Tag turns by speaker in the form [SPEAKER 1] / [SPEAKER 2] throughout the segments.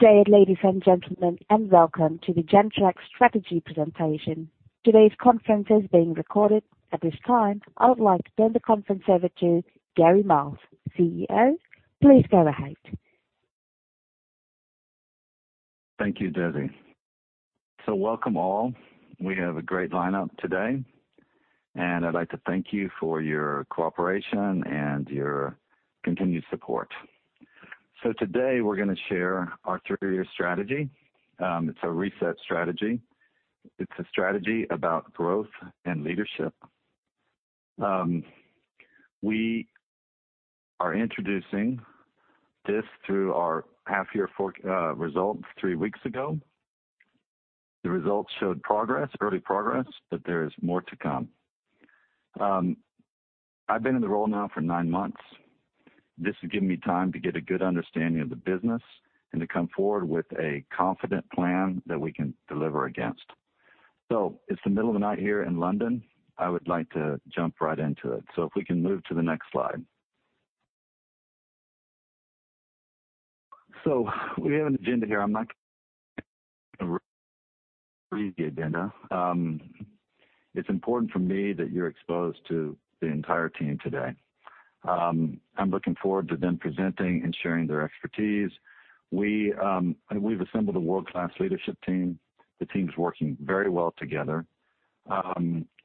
[SPEAKER 1] Good day, ladies and gentlemen. Welcome to the Gentrack strategy presentation. Today's conference is being recorded. At this time, I would like to hand the conference over to Gary Miles, CEO. Please go ahead.
[SPEAKER 2] Thank you, Desi. Welcome all. We have a great lineup today, and I'd like to thank you for your cooperation and your continued support. Today, we're going to share our three-year strategy. It's our reset strategy. It's a strategy about growth and leadership. We are introducing this through our half-year results three weeks ago. The results showed early progress, but there is more to come. I've been in the role now for nine months. This has given me time to get a good understanding of the business and to come forward with a confident plan that we can deliver against. It's the middle of the night here in London. I would like to jump right into it. If we can move to the next slide. We have an agenda here. I'm not going to read the agenda. It's important for me that you're exposed to the entire team today. I'm looking forward to them presenting and sharing their expertise. We've assembled a world-class leadership team. The team's working very well together.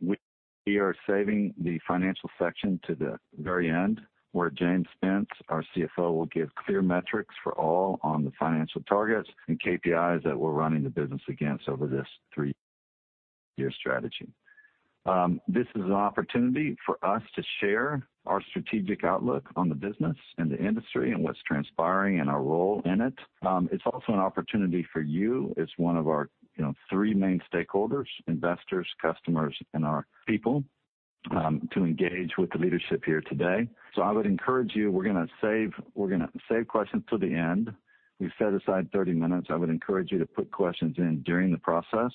[SPEAKER 2] We are saving the financial section to the very end, where James Spence, our CFO, will give clear metrics for all on the financial targets and KPIs that we're running the business against over this three-year strategy. This is an opportunity for us to share our strategic outlook on the business and the industry and what's transpiring and our role in it. It's also an opportunity for you as one of our three main stakeholders, investors, customers, and our people, to engage with the leadership here today. I would encourage you, we're going to save questions till the end. We've set aside 30 minutes. I would encourage you to put questions in during the process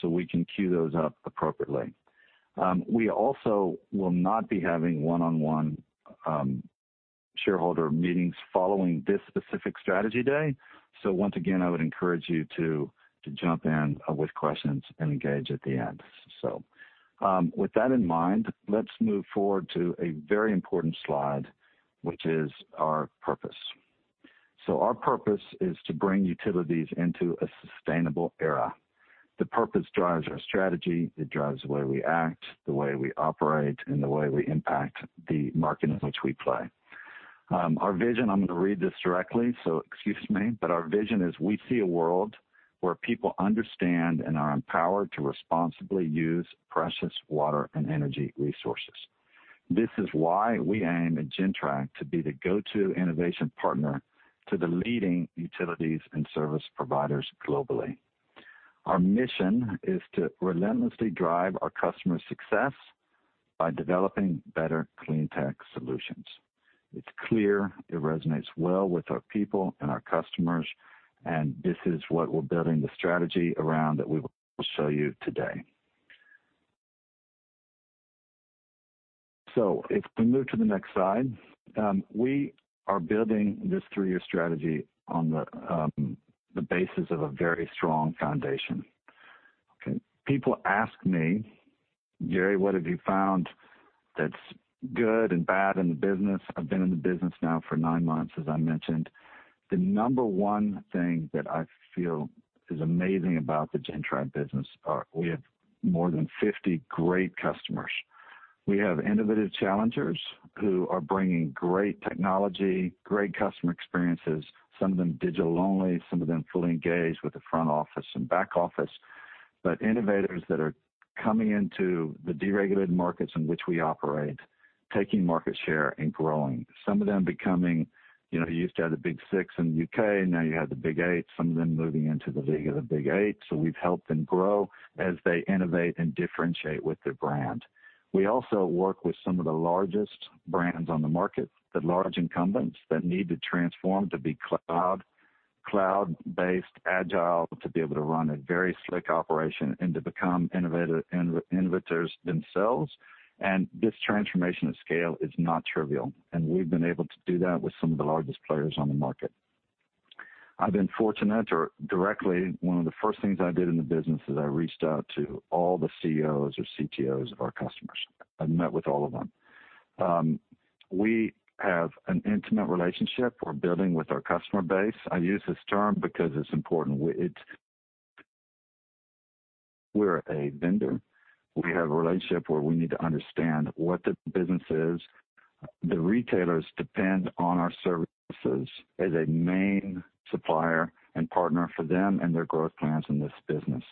[SPEAKER 2] so we can queue those up appropriately. We also will not be having one-on-one shareholder meetings following this specific strategy day. Once again, I would encourage you to jump in with questions and engage at the end. With that in mind, let's move forward to a very important slide, which is our purpose. Our purpose is to bring utilities into a sustainable era. The purpose drives our strategy. It drives the way we act, the way we operate, and the way we impact the market in which we play. Our vision, I'm going to read this directly, so excuse me, but our vision is we see a world where people understand and are empowered to responsibly use precious water and energy resources. This is why we aim at Gentrack to be the go-to innovation partner to the leading utilities and service providers globally. Our mission is to relentlessly drive our customer success by developing better clean tech solutions. It's clear it resonates well with our people and our customers, and this is what we're building the strategy around that we will show you today. If we move to the next slide, we are building this three-year strategy on the basis of a very strong foundation. People ask me, "Gary, what have you found that's good and bad in the business?" I've been in the business now for nine months, as I mentioned. The number one thing that I feel is amazing about the Gentrack business are we have more than 50 great customers. We have innovative challengers who are bringing great technology, great customer experiences, some of them digital only, some of them fully engaged with the front office and back office, but innovators that are coming into the deregulated markets in which we operate, taking market share and growing. Some of them becoming, you used to have the Big 6 in the U.K., now you have the Big 8, some of them moving into the league of the Big 8. We've helped them grow as they innovate and differentiate with their brand. We also work with some of the largest brands on the market, the large incumbents that need to transform to be cloud-based, agile, to be able to run a very slick operation and to become innovators themselves. This transformation at scale is not trivial, and we've been able to do that with some of the largest players on the market. I've been fortunate directly, one of the first things I did in the business is I reached out to all the CEOs or CTOs of our customers. I've met with all of them. We have an intimate relationship we're building with our customer base. I use this term because it's important. We're a vendor. We have a relationship where we need to understand what the business is. The retailers depend on our services as a main supplier and partner for them and their growth plans in this business.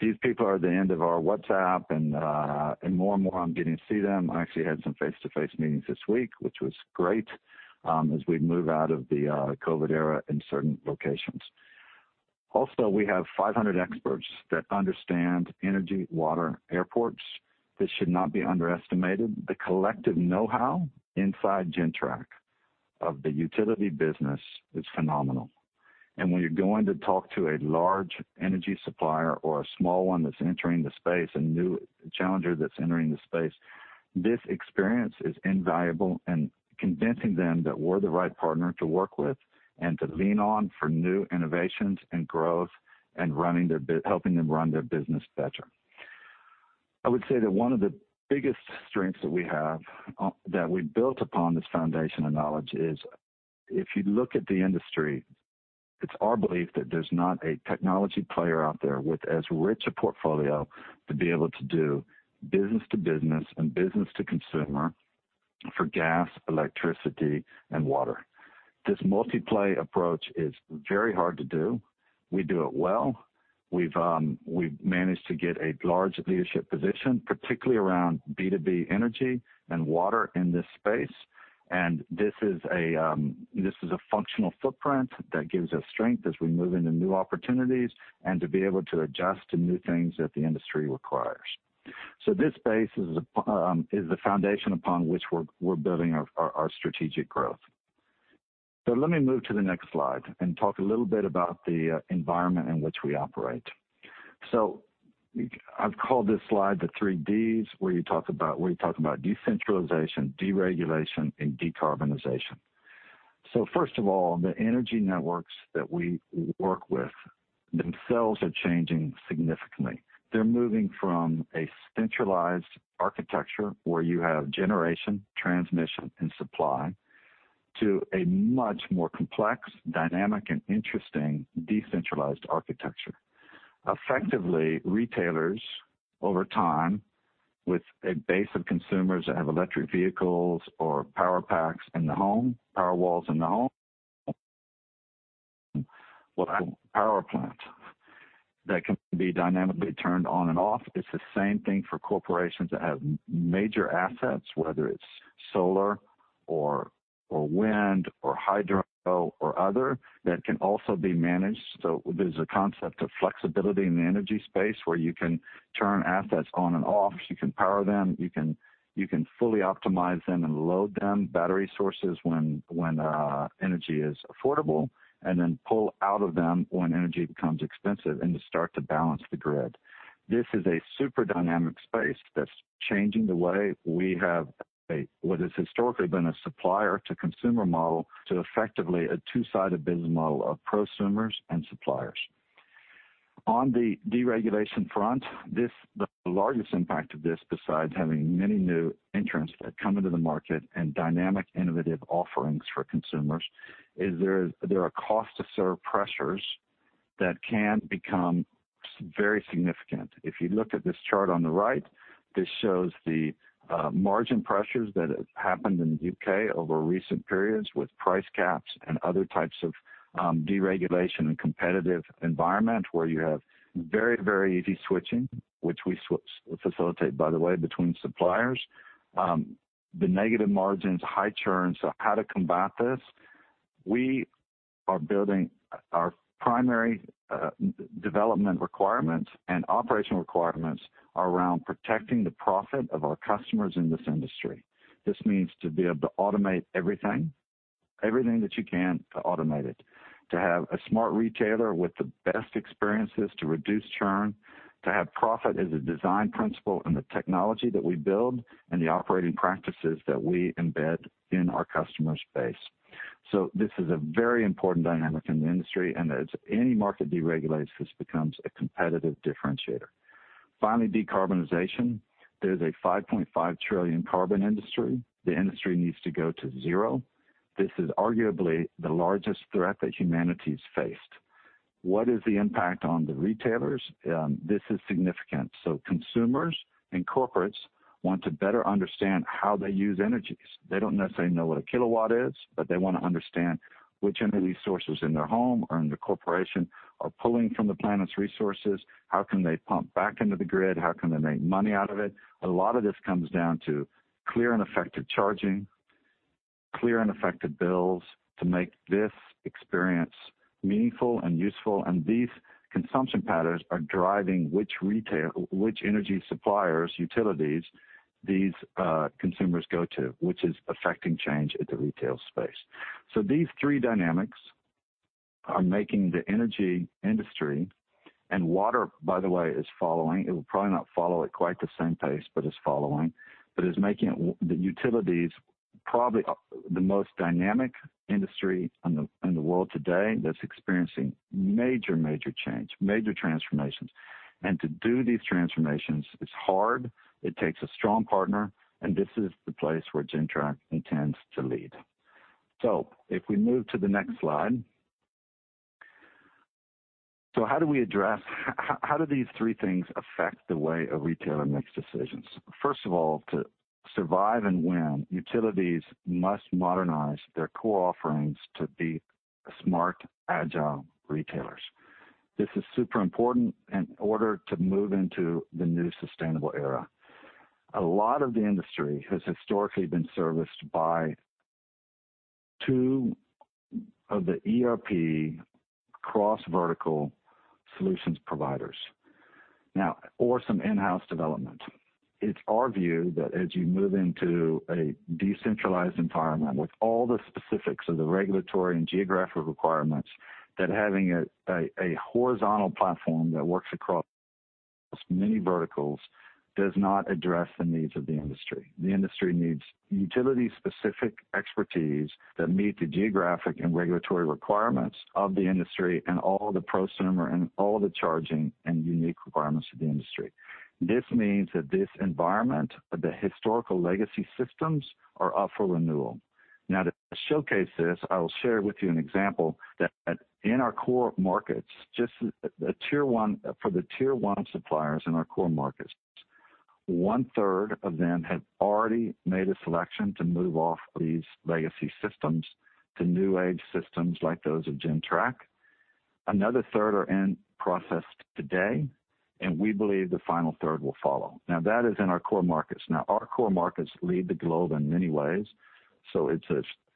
[SPEAKER 2] These people are at the end of our WhatsApp, and more and more I'm getting to see them. I actually had some face-to-face meetings this week, which was great, as we move out of the COVID era in certain locations. We have 500 experts that understand energy, water, airports. This should not be underestimated. The collective know-how inside Gentrack of the utility business is phenomenal. When you're going to talk to a large energy supplier or a small one that's entering the space, a new challenger that's entering the space. This experience is invaluable in convincing them that we're the right partner to work with and to lean on for new innovations and growth, and helping them run their business better. I would say that one of the biggest strengths that we have, that we built upon this foundation of knowledge is, if you look at the industry, it's our belief that there's not a technology player out there with as rich a portfolio to be able to do business-to-business and business-to-consumer for gas, electricity, and water. This multi-play approach is very hard to do. We do it well. We've managed to get a large leadership position, particularly around B2B energy and water in this space. This is a functional footprint that gives us strength as we move into new opportunities and to be able to adjust to new things that the industry requires. This base is the foundation upon which we're building our strategic growth. Let me move to the next slide and talk a little bit about the environment in which we operate. I've called this slide the three Ds, where you talk about decentralization, deregulation, and decarbonization. First of all, the energy networks that we work with themselves are changing significantly. They're moving from a centralized architecture where you have generation, transmission, and supply, to a much more complex, dynamic, and interesting decentralized architecture. Effectively, retailers, over time, with a base of consumers that have electric vehicles or Powerpacks in the home, Powerwalls in the home, will have power plants that can be dynamically turned on and off. It's the same thing for corporations that have major assets, whether it's solar or wind or hydro or other, that can also be managed. There's a concept of flexibility in the energy space where you can turn assets on and off. You can power them. You can fully optimize them and load them, battery sources, when energy is affordable, and then pull out of them when energy becomes expensive and to start to balance the grid. This is a super dynamic space that's changing the way we have a what has historically been a supplier-to-consumer model, to effectively a two-sided business model of prosumers and suppliers. On the deregulation front, the largest impact of this, besides having many new entrants that come into the market and dynamic, innovative offerings for consumers, is there are cost-to-serve pressures that can become very significant. If you look at this chart on the right, this shows the margin pressures that have happened in the U.K. over recent periods with price caps and other types of deregulation and competitive environment where you have very easy switching, which we facilitate, by the way, between suppliers. The negative margins, high churn. How to combat this? We are building our primary development requirements and operation requirements around protecting the profit of our customers in this industry. This means to be able to automate everything. Everything that you can, to automate it. To have a smart retailer with the best experiences to reduce churn, to have profit as a design principle in the technology that we build, and the operating practices that we embed in our customers' base. This is a very important dynamic in the industry, and as any market deregulates, this becomes a competitive differentiator. Finally, decarbonization. There's a 5.5 trillion carbon industry. The industry needs to go to zero. This is arguably the largest threat that humanities faced. What is the impact on the retailers? This is significant. Consumers and corporates want to better understand how they use energies. They don't necessarily know what a kilowatt is, but they want to understand which energy sources in their home or in the corporation are pulling from the planet's resources. How can they pump back into the grid? How can they make money out of it? A lot of this comes down to clear and effective charging, clear and effective bills to make this experience meaningful and useful, and these consumption patterns are driving which energy suppliers, utilities, these consumers go to, which is affecting change at the retail space. These three dynamics are making the energy industry, and water, by the way, is following. It will probably not follow at quite the same pace, but it's following. It's making the utilities probably the most dynamic industry in the world today that's experiencing major change, major transformations. To do these transformations is hard. It takes a strong partner, and this is the place where Gentrack intends to lead. If we move to the next slide. How do these three things affect the way a retailer makes decisions? First of all, to survive and win, utilities must modernize their core offerings to be smart, agile retailers. This is super important in order to move into the new sustainable era. A lot of the industry has historically been serviced by two of the ERP cross-vertical solutions providers, now, or some in-house developments. It's our view that as you move into a decentralized environment with all the specifics of the regulatory and geographic requirements, that having a horizontal platform that works across many verticals does not address the needs of the industry. The industry needs utility-specific expertise that meet the geographic and regulatory requirements of the industry and all the prosumer and all the charging and unique requirements of the industry. This means that this environment, the historical legacy systems, are up for renewal. To showcase this, I will share with you an example that in our core markets, for the tier 1 suppliers in our core markets, 1/3 of them have already made a selection to move off these legacy systems to new age systems like those of Gentrack. Another 1/3 are in process today, and we believe the final 1/3 will follow. That is in our core markets. Our core markets lead the globe in many ways, so it's,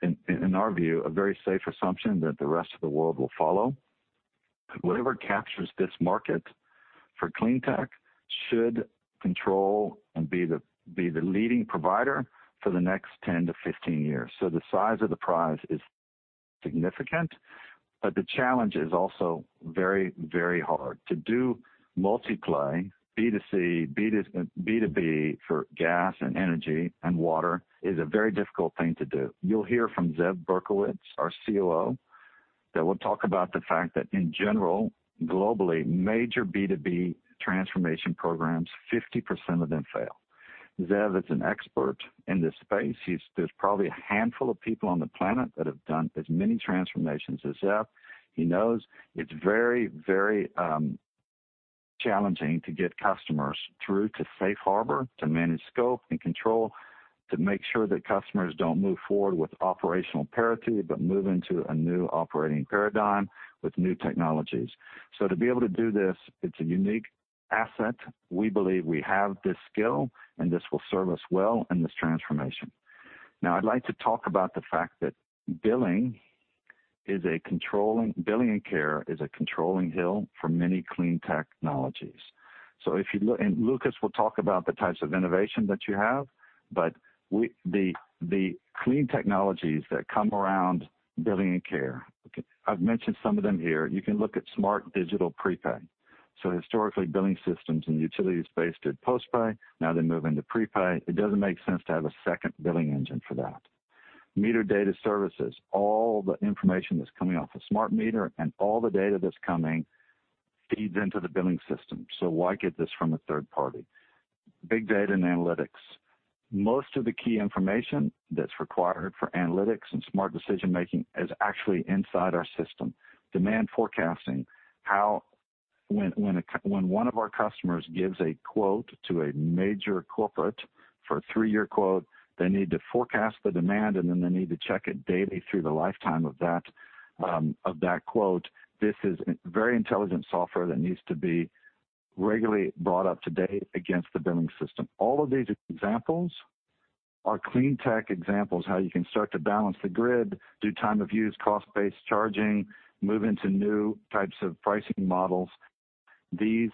[SPEAKER 2] in our view, a very safe assumption that the rest of the world will follow. Whoever captures this market for clean tech should control and be the leading provider for the next 10-15 years. The size of the prize is significant, but the challenge is also very, very hard. To do multi-play B2C, B2B for gas and energy and water is a very difficult thing to do. You'll hear from Zeev Berkowitz, our COO, that will talk about the fact that in general, globally, major B2B transformation programs, 50% of them fail. Zeev is an expert in this space. There's probably a handful of people on the planet that have done as many transformations as Zeev. He knows it's very challenging to get customers through to safe harbor, to manage scope and control, to make sure that customers don't move forward with operational parity, but move into a new operating paradigm with new technologies. To be able to do this, it's a one unique asset. We believe we have this skill, and this will serve us well in this transformation. Now I'd like to talk about the fact that billing care is a controlling hill for many clean technologies. Loukas will talk about the types of innovation that you have, but the clean technologies that come around billing care. I've mentioned some of them here. You can look at smart digital prepay. Historically, billing systems and utilities-based did post pay, now they move into prepay. It doesn't make sense to have a second billing engine for that. Meter data services, all the information that's coming off a smart meter and all the data that's coming feeds into the billing system. Why get this from a third party? Big data and analytics. Most of the key information that's required for analytics and smart decision-making is actually inside our system. Demand forecasting. When one of our customers gives a quote to a major corporate for a three-year quote, they need to forecast the demand, and then they need to check it daily through the lifetime of that quote. This is very intelligent software that needs to be regularly brought up to date against the billing system. All of these examples are clean tech examples, how you can start to balance the grid, do time of use, cost-based charging, move into new types of pricing models. These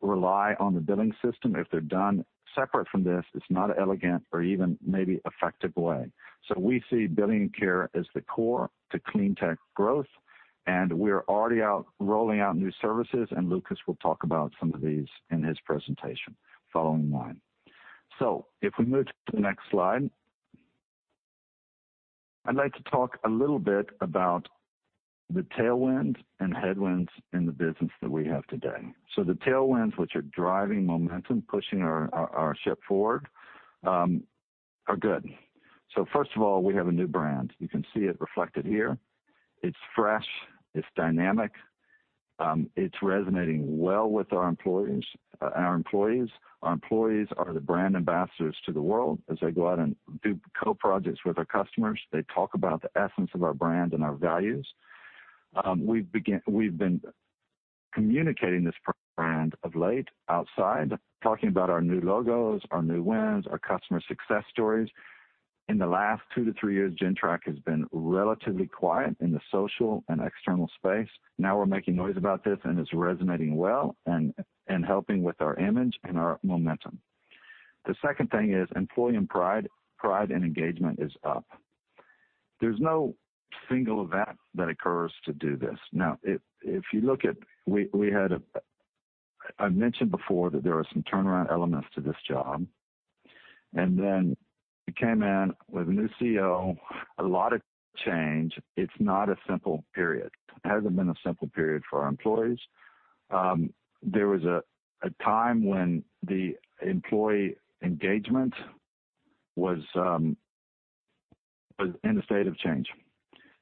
[SPEAKER 2] rely on the billing system. If they're done separate from this, it's not an elegant or even maybe effective way. We see billing care as the core to clean tech growth, and we are already rolling out new services, and Loukas will talk about some of these in his presentation following mine. If we move to the next slide, I would like to talk a little bit about the tailwinds and headwinds in the business that we have today. The tailwinds, which are driving momentum, pushing our ship forward, are good. First of all, we have a new brand. You can see it reflected here. It's fresh, it's dynamic, it's resonating well with our employees. Our employees are the brand ambassadors to the world as they go out and do co-projects with our customers. They talk about the essence of our brand and our values. We've been communicating this brand of late, outside, talking about our new logos, our new wins, our customer success stories. In the last two to three years, Gentrack has been relatively quiet in the social and external space. Now we're making noise about this and it's resonating well and helping with our image and our momentum. The second thing is employee pride and engagement is up. There's no single event that occurs to do this. Now, I mentioned before that there are some turnaround elements to this job, and then we came in with a new CEO, a lot of change. It's not a simple period. It hasn't been a simple period for our employees. There was a time when the employee engagement was in a state of change,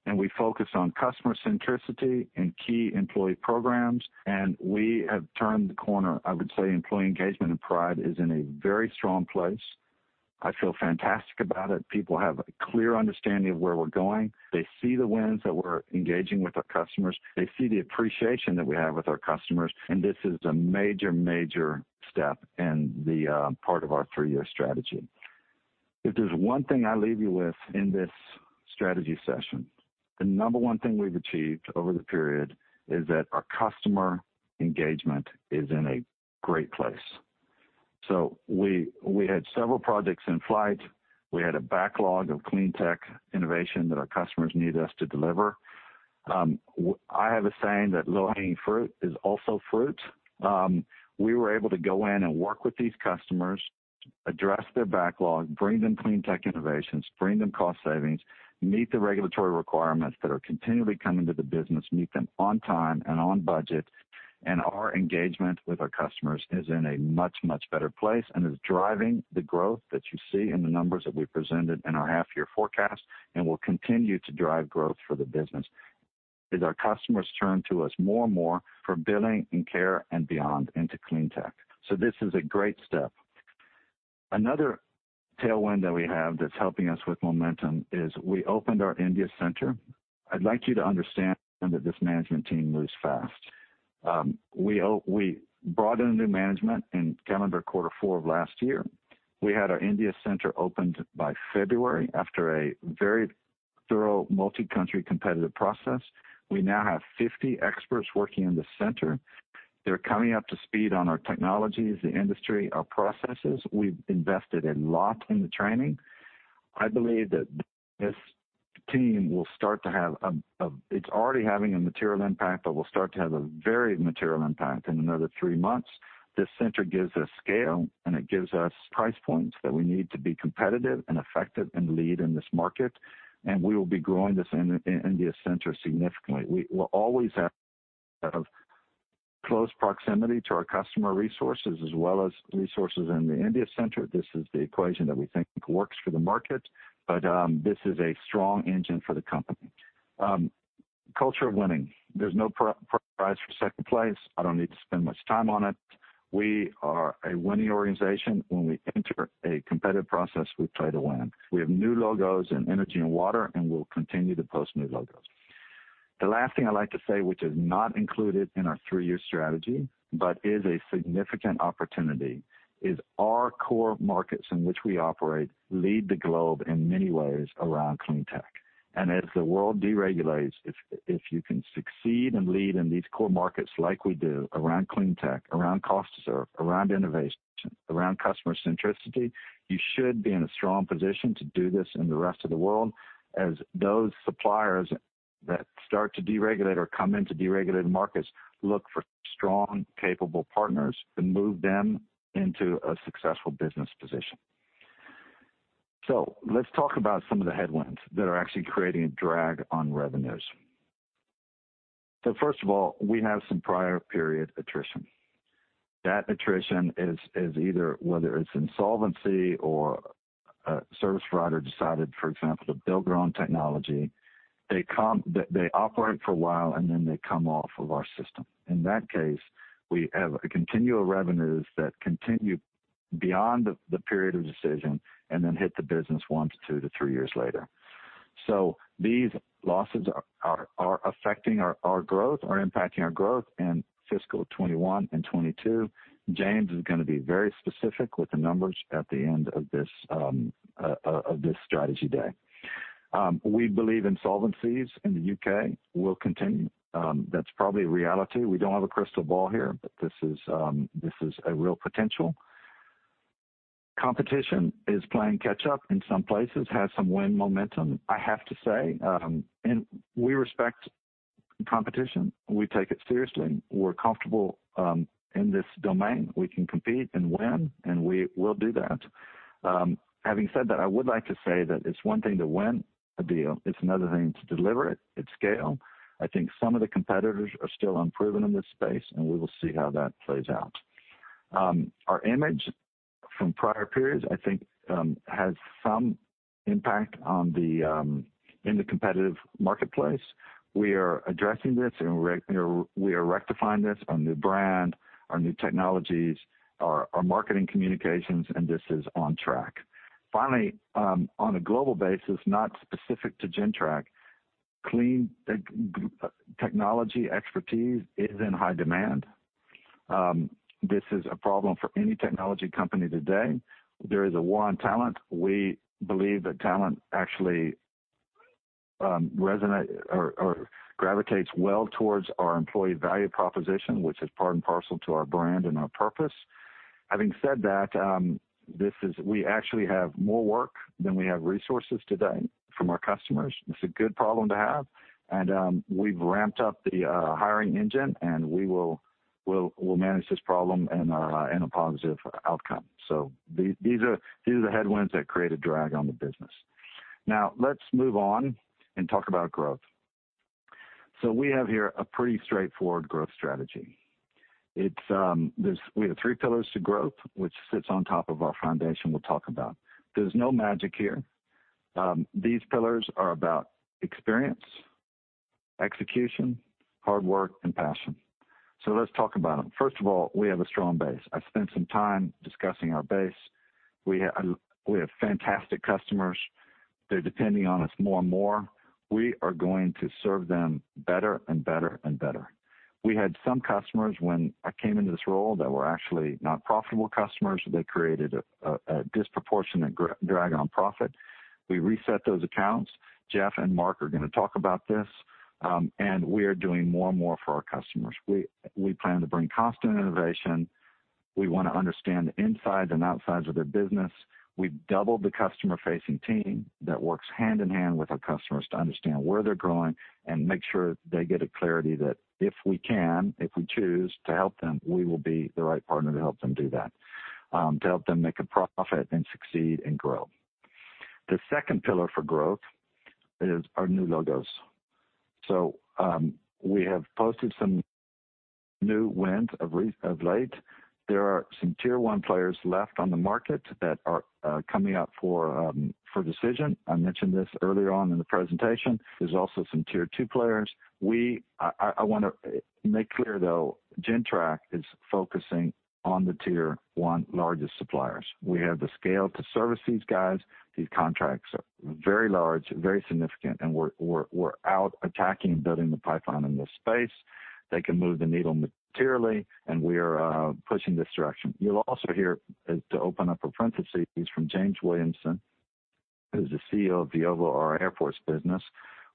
[SPEAKER 2] and we focused on customer centricity and key employee programs, and we have turned the corner. I would say employee engagement and pride is in a very strong place. I feel fantastic about it. People have a clear understanding of where we're going. They see the wins that we're engaging with our customers. They see the appreciation that we have with our customers. This is a major step in the part of our three-year strategy. If there's one thing I leave you with in this strategy session, the number one thing we've achieved over the period is that our customer engagement is in a great place. We had several projects in flight. We had a backlog of clean tech innovation that our customers need us to deliver. I have a saying that low-hanging fruit is also fruit. We were able to go in and work with these customers, address their backlog, bring them clean tech innovations, bring them cost savings, meet the regulatory requirements that are continually coming to the business, meet them on time and on budget. Our engagement with our customers is in a much, much better place and is driving the growth that you see in the numbers that we presented in our half-year forecast and will continue to drive growth for the business. As our customers turn to us more and more for billing and care and beyond into clean tech. This is a great step. Another tailwind that we have that's helping us with momentum is we opened our India center. I'd like you to understand that this management team moves fast. We brought in new management in calendar quarter four of last year. We had our India center opened by February after a very thorough multi-country competitive process. We now have 50 experts working in the center. They're coming up to speed on our technologies, the industry, our processes. We've invested a lot in the training. I believe that this team it's already having a material impact, but will start to have a very material impact in another three months. This center gives us scale, and it gives us price points that we need to be competitive and effective and lead in this market, and we will be growing this India center significantly. We'll always have close proximity to our customer resources as well as resources in the India center. This is the equation that we think works for the market, but this is a strong engine for the company. Culture of winning. There's no prize for second place. I don't need to spend much time on it. We are a winning organization. When we enter a competitive process, we try to win. We have new logos in energy and water, and we'll continue to post new logos. The last thing I'd like to say, which is not included in our three-year strategy but is a significant opportunity, is our core markets in which we operate lead the globe in many ways around clean tech. As the world deregulates, if you can succeed and lead in these core markets like we do around clean tech, around cost to serve, around innovation, around customer centricity, you should be in a strong position to do this in the rest of the world as those suppliers that start to deregulate or come into deregulated markets look for strong, capable partners to move them into a successful business position. Let's talk about some of the headwinds that are actually creating a drag on revenues. First of all, we have some prior period attrition. That attrition is either, whether it's insolvency or a service provider decided, for example, to build their own technology. They operate for a while, then they come off of our system. In that case, we have continual revenues that continue beyond the period of decision and then hit the business once, two to three years later. These losses are affecting our growth, are impacting our growth in FY 2021 and FY 2022. James is going to be very specific with the numbers at the end of this strategy day. We believe insolvencies in the U.K. will continue. That's probably a reality. We don't have a crystal ball here, this is a real potential. Competition is playing catch up in some places, has some wind momentum, I have to say. We respect competition. We take it seriously. We're comfortable in this domain. We can compete and win, and we'll do that. Having said that, I would like to say that it's one thing to win a deal. It's another thing to deliver it at scale. I think some of the competitors are still improving in this space, and we will see how that plays out. Our image from prior periods, I think, has some impact in the competitive marketplace. We are addressing this, and we are rectifying this. Our new brand, our new technologies, our marketing communications, and this is on track. Finally, on a global basis, not specific to Gentrack, clean technology expertise is in high demand. This is a problem for any technology company today. There is a war on talent. We believe that talent actually gravitates well towards our employee value proposition, which is part and parcel to our brand and our purpose. Having said that, we actually have more work than we have resources today from our customers. It's a good problem to have, and we've ramped up the hiring engine, and we'll manage this problem in a positive outcome. These are the headwinds that create a drag on the business. Now let's move on and talk about growth. We have here a pretty straightforward growth strategy. We have three pillars to growth, which sits on top of our foundation we'll talk about. There's no magic here. These pillars are about experience, execution, hard work, and passion. Let's talk about them. First of all, we have a strong base. I spent some time discussing our base. We have fantastic customers. They're depending on us more and more. We are going to serve them better and better and better. We had some customers when I came in this role that were actually not profitable customers. They created a disproportionate drag on profit. We reset those accounts. Geoff and Mark are going to talk about this. We are doing more and more for our customers. We plan to bring constant innovation. We want to understand the insides and outsides of their business. We've doubled the customer-facing team that works hand-in-hand with our customers to understand where they're growing and make sure they get a clarity that if we can, if we choose to help them, we will be the right partner to help them do that, to help them make a profit and succeed and grow. The second pillar for growth is our new logos. We have posted some new wins of late. There are some tier 1 players left on the market that are coming up for decision. I mentioned this earlier on in the presentation. There's also some tier 2 players. I want to make clear, though, Gentrack is focusing on the tier 1 largest suppliers. We have the scale to service these guys. These contracts are very large, very significant, and we're out attacking and building the pipeline in this space. They can move the needle materially, and we are pushing this direction. You'll also hear, to open up apprenticeships from James Williamson, who's the CEO of Veovo, our airports business.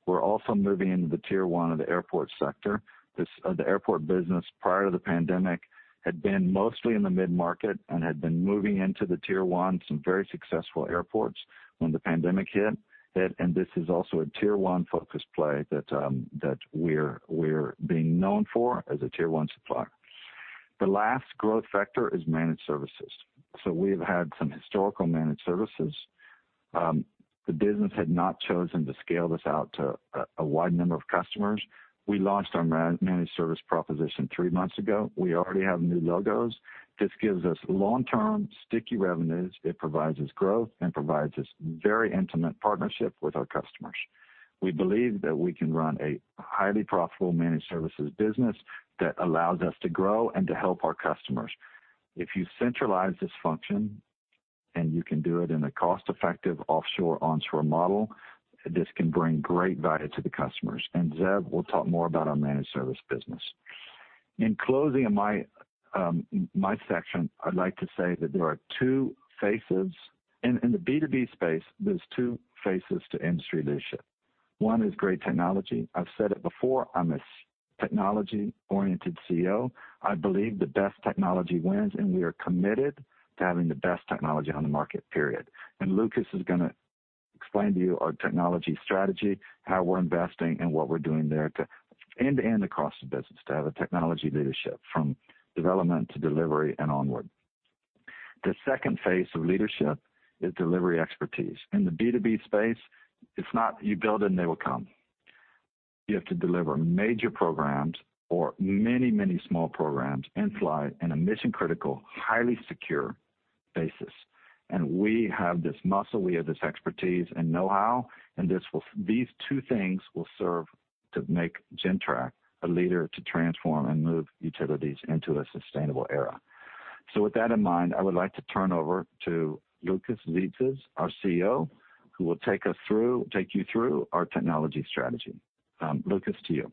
[SPEAKER 2] We're also moving into the tier 1 of the airport sector. The airport business, prior to the pandemic, had been mostly in the mid-market and had been moving into the tier 1, some very successful airports when the pandemic hit. This is also a tier 1 focus play that we're being known for as a tier 1 supplier. The last growth vector is managed services. We've had some historical managed services. The business had not chosen to scale this out to a wide number of customers. We launched our managed service proposition three months ago. We already have new logos. This gives us long-term sticky revenues. It provides us growth and provides us very intimate partnership with our customers. We believe that we can run a highly profitable managed services business that allows us to grow and to help our customers. If you centralize this function, and you can do it in a cost-effective offshore/onshore model, this can bring great value to the customers. Zeev will talk more about our managed service business. In closing my section, I'd like to say that there are two faces. In the B2B space, there's two faces to industry leadership. One is great technology. I've said it before, I'm a technology-oriented CEO. I believe the best technology wins, we are committed to having the best technology on the market, period. Loukas is going to explain to you our technology strategy, how we're investing and what we're doing there to end-to-end across the business, to have a technology leadership from development to delivery and onward. The second face of leadership is delivery expertise. In the B2B space, it's not you build and they will come. You have to deliver major programs or many small programs in-stride in a mission-critical, highly secure basis. We have this muscle, we have this expertise and know-how, and these two things will serve to make Gentrack a leader to transform and move utilities into a sustainable era. With that in mind, I would like to turn over to Loukas Tzitzis, our CTO, who will take you through our technology strategy. Loukas, to you.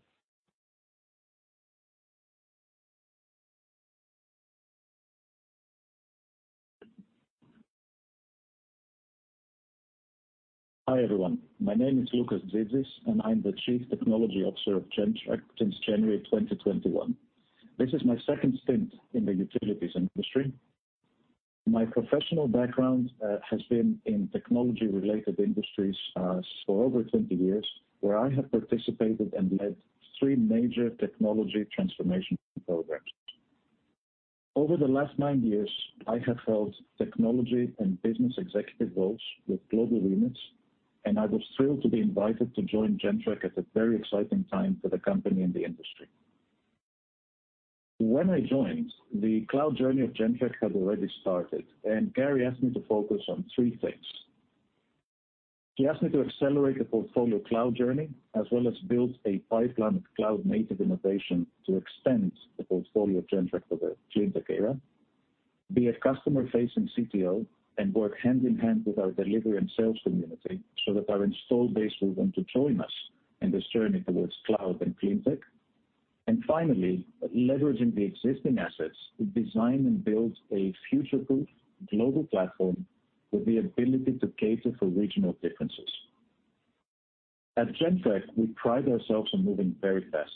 [SPEAKER 3] Hi, everyone. My name is Loukas Tzitzis, and I'm the Chief Technology Officer of Gentrack since January 2021. This is my second stint in the utilities industry. My professional background has been in technology-related industries for over 20 years, where I have participated and led three major technology transformation programs. Over the last nine years, I have held technology and business executive roles with global units, and I was thrilled to be invited to join Gentrack at a very exciting time for the company and the industry. When I joined, the cloud journey of Gentrack had already started, and Gary asked me to focus on three things. He asked me to accelerate the portfolio cloud journey, as well as build a pipeline of cloud-native innovation to extend the portfolio of Gentrack for the clean tech era, be a customer-facing CTO and work hand-in-hand with our delivery and sales community so that our install base will want to join us in this journey towards cloud and clean tech. Finally, leveraging the existing assets to design and build a future-proof global platform with the ability to cater for regional differences. At Gentrack, we pride ourselves on moving very fast.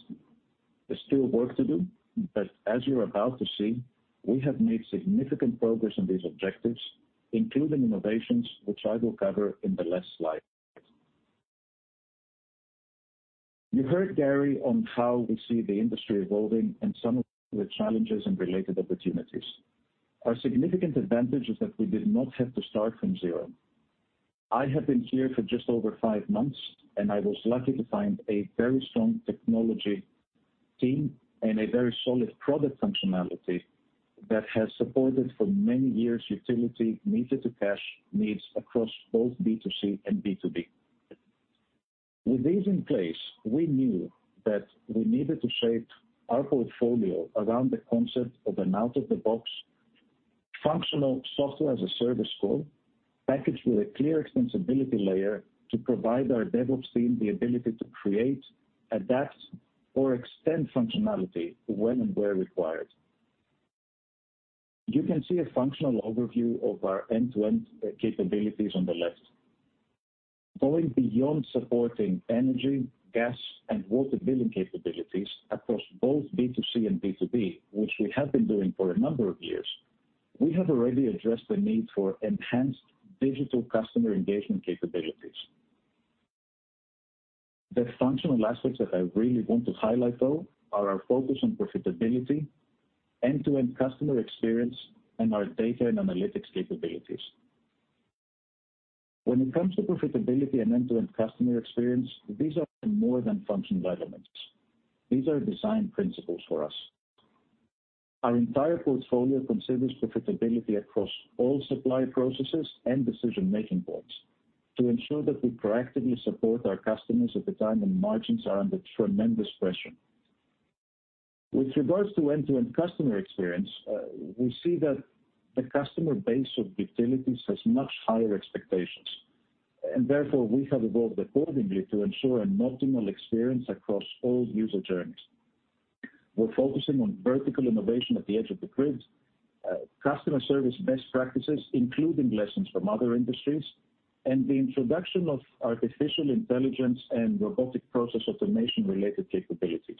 [SPEAKER 3] There's still work to do, but as you're about to see, we have made significant progress on these objectives, including innovations, which I will cover in the last slide. You heard Gary on how we see the industry evolving and some of the challenges and related opportunities. Our significant advantage is that we did not have to start from zero. I have been here for just over five months, and I was lucky to find a very strong technology team and a very solid product functionality that has supported for many years utility meter-to-cash needs across both B2C and B2B. With these in place, we knew that we needed to shape our portfolio around the concept of an out-of-the-box functional software as a service core, packaged with a clear extensibility layer to provide our DevOps team the ability to create, adapt, or extend functionality when and where required. You can see a functional overview of our end-to-end capabilities on the left. Going beyond supporting energy, gas, and water billing capabilities across both B2C and B2B, which we have been doing for a number of years, we have already addressed the need for enhanced digital customer engagement capabilities. The functional aspects that I really want to highlight, though, are our focus on profitability, end-to-end customer experience, and our data and analytics capabilities. When it comes to profitability and end-to-end customer experience, these are more than functional elements. These are design principles for us. Our entire portfolio considers profitability across all supply processes and decision-making points to ensure that we proactively support our customers at a time when margins are under tremendous pressure. With regards to end-to-end customer experience, we see that the customer base of utilities has much higher expectations, and therefore, we have evolved accordingly to ensure an optimal experience across all user journeys. We're focusing on vertical innovation at the edge of the grid, customer service best practices, including lessons from other industries, and the introduction of artificial intelligence and robotic process automation-related capabilities.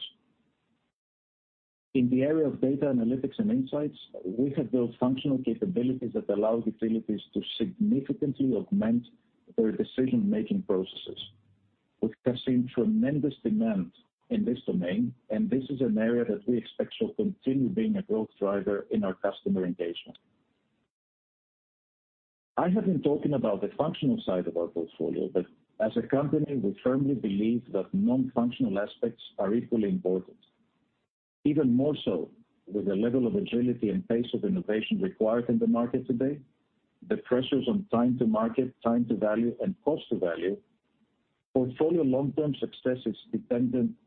[SPEAKER 3] In the area of data analytics and insights, we have built functional capabilities that allow utilities to significantly augment their decision-making processes. We have seen tremendous demand in this domain, and this is an area that we expect will continue being a growth driver in our customer engagement. I have been talking about the functional side of our portfolio, but as a company, we firmly believe that non-functional aspects are equally important. Even more so with the level of agility and pace of innovation required in the market today, the pressures on time to market, time to value, and cost to value, portfolio long-term success is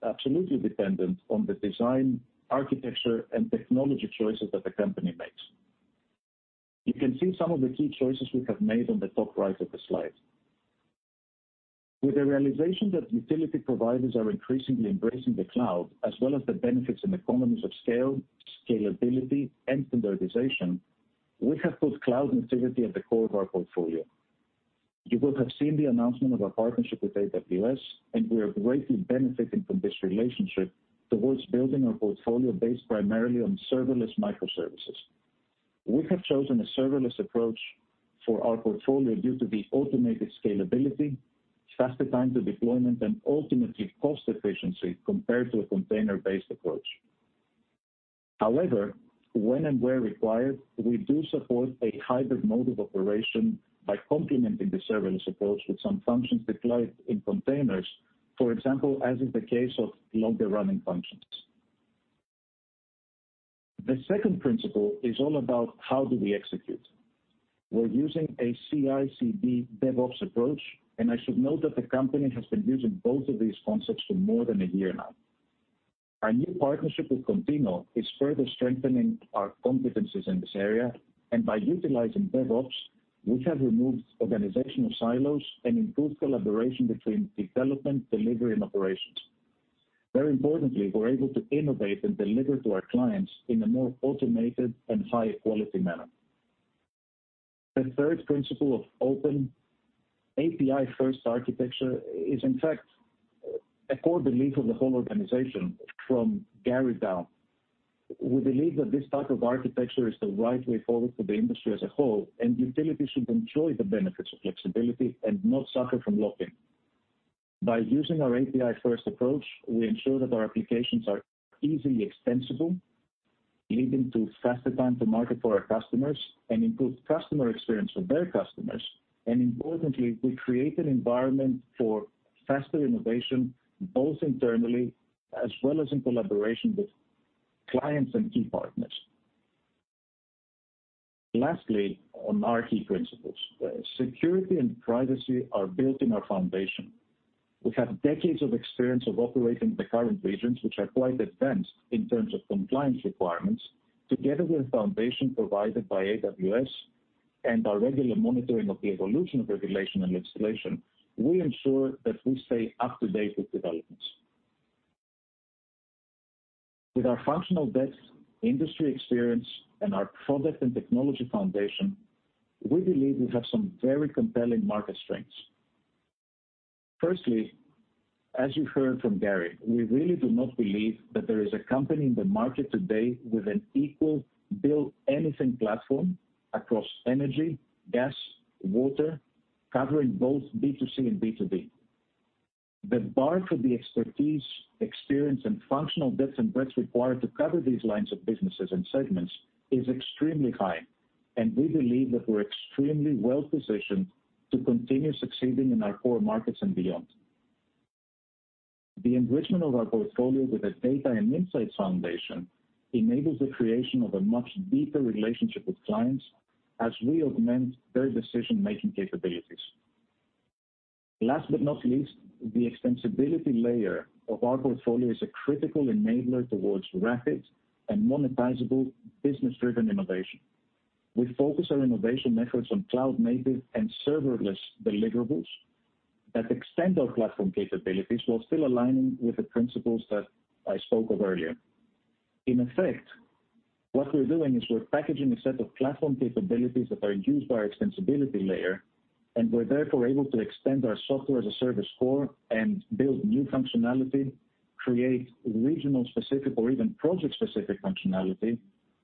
[SPEAKER 3] absolutely dependent on the design, architecture, and technology choices that the company makes. You can see some of the key choices we have made on the top right of the slide. With the realization that utility providers are increasingly embracing the cloud, as well as the benefits and economies of scale, scalability, and standardization, we have put cloud nativity at the core of our portfolio. You will have seen the announcement of our partnership with AWS, and we are greatly benefiting from this relationship towards building our portfolio based primarily on serverless microservices. We have chosen a serverless approach for our portfolio due to the automated scalability, faster time to deployment, and ultimately cost efficiency compared to a container-based approach. However, when and where required, we do support a hybrid mode of operation by complementing the serverless approach with some functions deployed in containers. For example, as is the case of longer-running functions. The second principle is all about how do we execute. We're using a CI/CD DevOps approach, and I should note that the company has been using both of these concepts for more than a year now. Our new partnership with Contino is further strengthening our competencies in this area, and by utilizing DevOps, we have removed organizational silos and improved collaboration between development, delivery, and operations. Very importantly, we're able to innovate and deliver to our clients in a more automated and high-quality manner. The third principle of open API-first architecture is in fact a core belief of the whole organization, from Gary down. We believe that this type of architecture is the right way forward for the industry as a whole, and utilities should enjoy the benefits of flexibility and not suffer from lock-in. By using our API-first approach, we ensure that our applications are easily extensible, leading to faster time to market for our customers and improved customer experience for their customers. Importantly, we create an environment for faster innovation, both internally as well as in collaboration with clients and key partners. Lastly, on our key principles, security and privacy are built in our foundation. We have decades of experience of operating in the current regions, which are quite advanced in terms of compliance requirements. Together with the foundation provided by AWS and our regular monitoring of the evolution of regulation and legislation, we ensure that we stay up to date with developments. With our functional depth, industry experience, and our product and technology foundation, we believe we have some very compelling market strengths. Firstly, as you heard from Gary, we really do not believe that there is a company in the market today with an equal build anything platform across energy, gas, water, covering both B2C and B2B. The bar for the expertise, experience, and functional depth and breadth required to cover these lines of businesses and segments is extremely high, and we believe that we're extremely well-positioned to continue succeeding in our core markets and beyond. The enrichment of our portfolio with a data and insights foundation enables the creation of a much deeper relationship with clients as we augment their decision-making capabilities. Last but not least, the extensibility layer of our portfolio is a critical enabler towards rapid and monetizable business-driven innovation. We focus our innovation efforts on cloud-native and serverless deliverables that extend our platform capabilities while still aligning with the principles that I spoke of earlier. In effect, what we're doing is we're packaging a set of platform capabilities that are used by our extensibility layer, and we're therefore able to extend our software as a service core and build new functionality, create regional-specific or even project-specific functionality,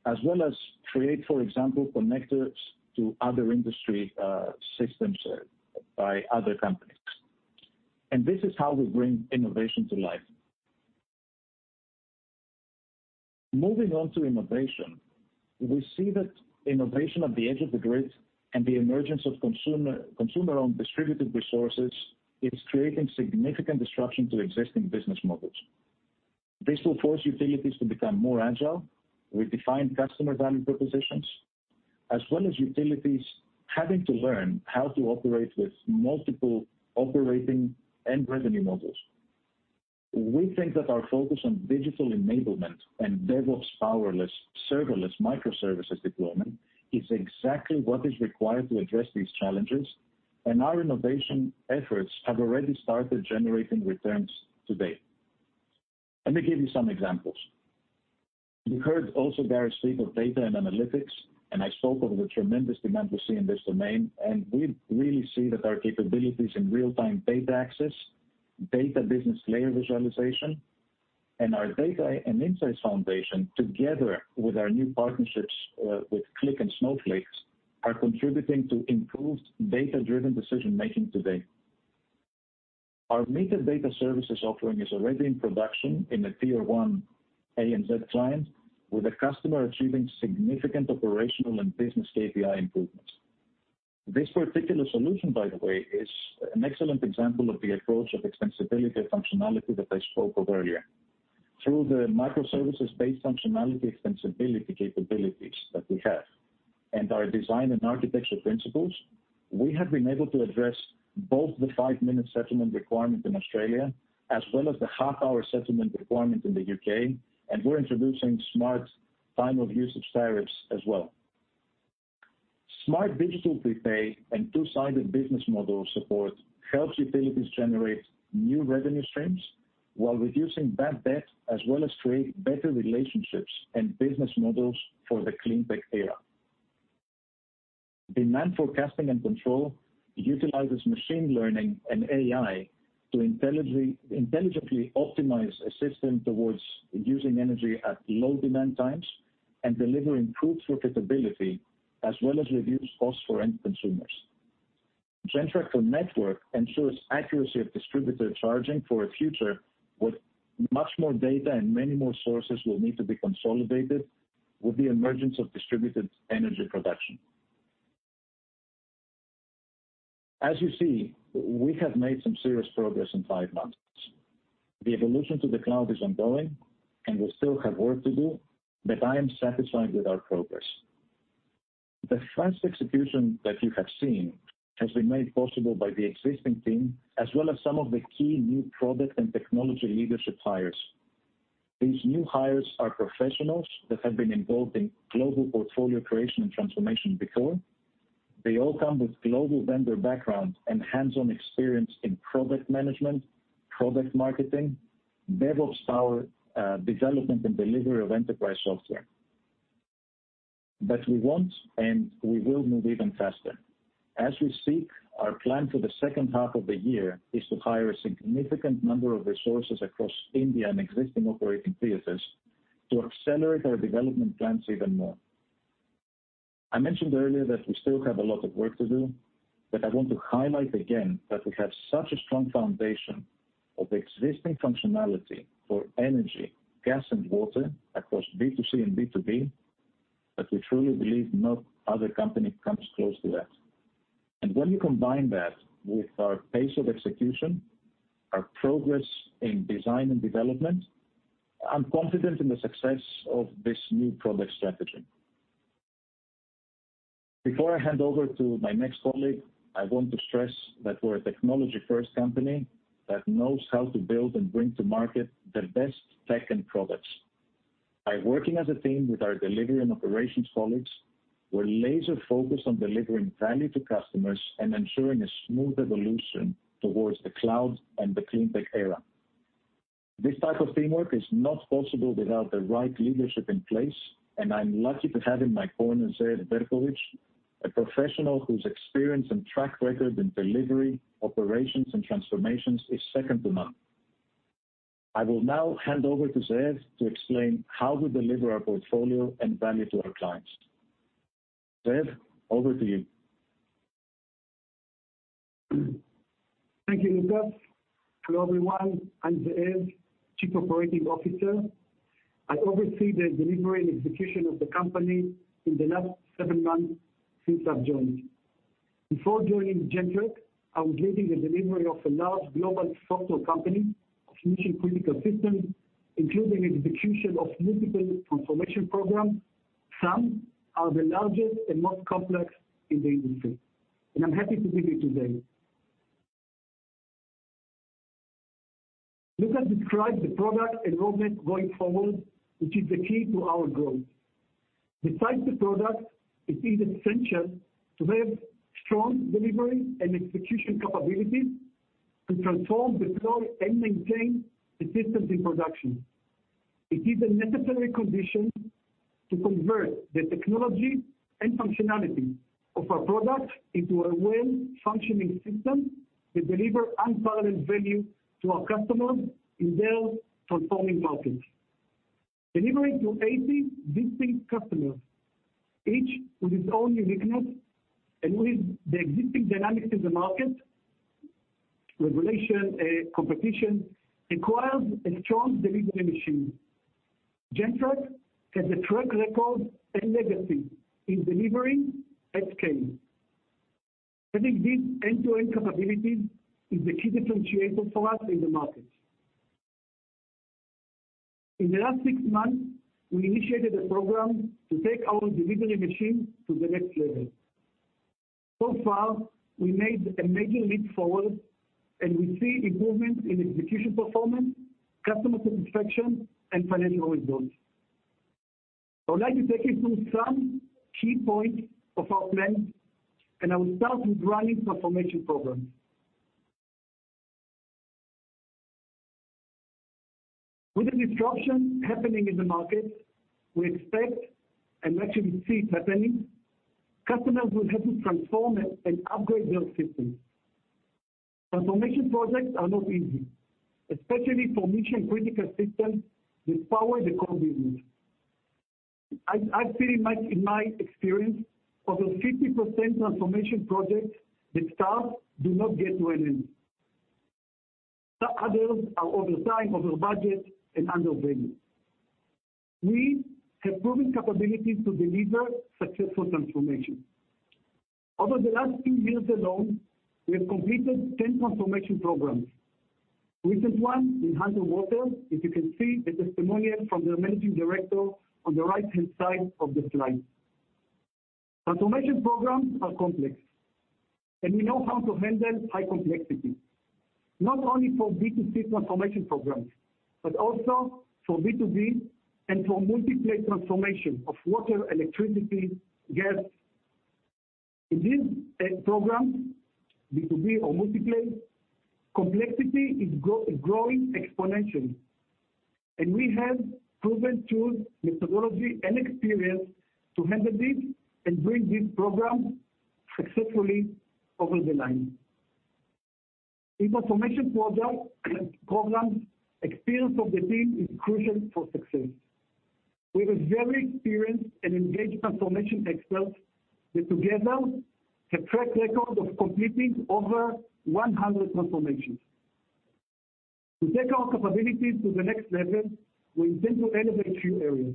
[SPEAKER 3] as well as create, for example, connectors to other industry systems by other companies. This is how we bring innovation to life. Moving on to innovation, we see that innovation at the edge of the grid and the emergence of consumer-owned distributed resources is creating significant disruption to existing business models. This will force utilities to become more agile, redefine customer value propositions, as well as utilities having to learn how to operate with multiple operating and revenue models. We think that our focus on digital enablement and DevOps-powerless, serverless microservices deployment is exactly what is required to address these challenges. Our innovation efforts have already started generating returns today. Let me give you some examples. You heard also Gary speak of data and analytics. I spoke of the tremendous demand we see in this domain. We really see that our capabilities in real-time data access, data business layer visualization, and our data and insights foundation, together with our new partnerships with Qlik and Snowflake, are contributing to improved data-driven decision-making today. Our meter data services offering is already in production in a tier 1 ANZ client, with the customer achieving significant operational and business KPI improvements. This particular solution, by the way, is an excellent example of the approach of extensibility and functionality that I spoke of earlier. Through the microservices-based functionality extensibility capabilities that we have and our design and architecture principles, we have been able to address both the five-minute settlement requirement in Australia as well as the half-hour settlement requirement in the U.K., and we're introducing smart time of use tariffs as well. Smart digital prepay and two-sided business model support helps utilities generate new revenue streams while reducing bad debt as well as create better relationships and business models for the clean tech era. Demand forecasting and control utilizes machine learning and AI to intelligently optimize a system towards using energy at low demand times and delivering improved profitability as well as reduced costs for end consumers. Gentrack for Networks ensures accuracy of distributed charging for a future where much more data and many more sources will need to be consolidated with the emergence of distributed energy production. As you see, we have made some serious progress in five months. The evolution to the cloud is ongoing, and we still have work to do, but I am satisfied with our progress. The fast execution that you have seen has been made possible by the existing team, as well as some of the key new product and technology leadership hires. These new hires are professionals that have been involved in global portfolio creation and transformation before. They all come with global vendor background and hands-on experience in product management, product marketing, DevOps, development and delivery of enterprise software. We want and we will move even faster. As we speak, our plan for the second half of the year is to hire a significant number of resources across India and existing operating theaters to accelerate our development plans even more. I mentioned earlier that we still have a lot of work to do, but I want to highlight again that we have such a strong foundation of existing functionality for energy, gas, and water across B2C and B2B that we truly believe no other company comes close to that. When you combine that with our pace of execution, our progress in design and development, I'm confident in the success of this new product strategy. Before I hand over to my next colleague, I want to stress that we're a technology-first company that knows how to build and bring to market the best tech and products. By working as a team with our delivery and operations colleagues, we're laser-focused on delivering value to customers and ensuring a smooth evolution towards the cloud and the clean tech era. This type of teamwork is not possible without the right leadership in place, and I'm lucky to have in my corner Zeev Berkowitz, a professional whose experience and track record in delivery, operations, and transformations is second to none. I will now hand over to Zeev to explain how we deliver our portfolio and value to our clients. Zeev, over to you.
[SPEAKER 4] Thank you, Loukas. To everyone, I'm Zeev, Chief Operating Officer. I oversee the delivery and execution of the company in the last seven months since I've joined. Before joining Gentrack, I was leading the delivery of a large global software company of mission-critical systems, including the execution of multiple transformation programs. Some are the largest and most complex in the industry. I'm happy to be here today. Let us describe the product and roadmap going forward, which is the key to our growth. Besides the product, it is essential to have strong delivery and execution capabilities to transform, deploy, and maintain the systems in production. It is a necessary condition to convert the technology and functionality of our product into a well-functioning system that delivers unparalleled value to our customers in their transforming markets. Delivering to 80 distinct customers, each with its own uniqueness and with the existing dynamics in the market, regulation, and competition, requires a strong delivery machine. Gentrack has a track record and legacy in delivering at scale. Having these end-to-end capabilities is the key differentiator for us in the market. In the last six months, we initiated a program to take our delivery machine to the next level. So far, we made a major leap forward, and we see improvements in execution performance, customer satisfaction, and financial results. I would like to take you through some key points of our plan, and I will start with running transformation programs. With the disruption happening in the markets, we expect, and actually see it happening, customers will have to transform and upgrade their systems. Transformation projects are not easy, especially for mission-critical systems that power the core business. I've seen in my experience, over 50% of transformation projects that start do not get to an end. Others are over time, over budget, and under value. We have proven capability to deliver successful transformations. Over the last few years alone, we have completed 10 transformation programs. Recent one in Hunter Water, as you can see a testimonial from their managing director on the right-hand side of the slide. Transformation programs are complex, and we know how to handle high complexity, not only for B2C transformation programs, but also for B2B and for multi-play transformation of water, electricity, gas. In these programs, B2B or multi-play, complexity is growing exponentially, and we have proven tools, methodology, and experience to handle this and bring these programs successfully over the line. In transformation projects and programs, experience of the team is crucial for success. We have very experienced and engaged transformation experts that together have track record of completing over 100 transformations. To take our capabilities to the next level, we intend to elevate few areas.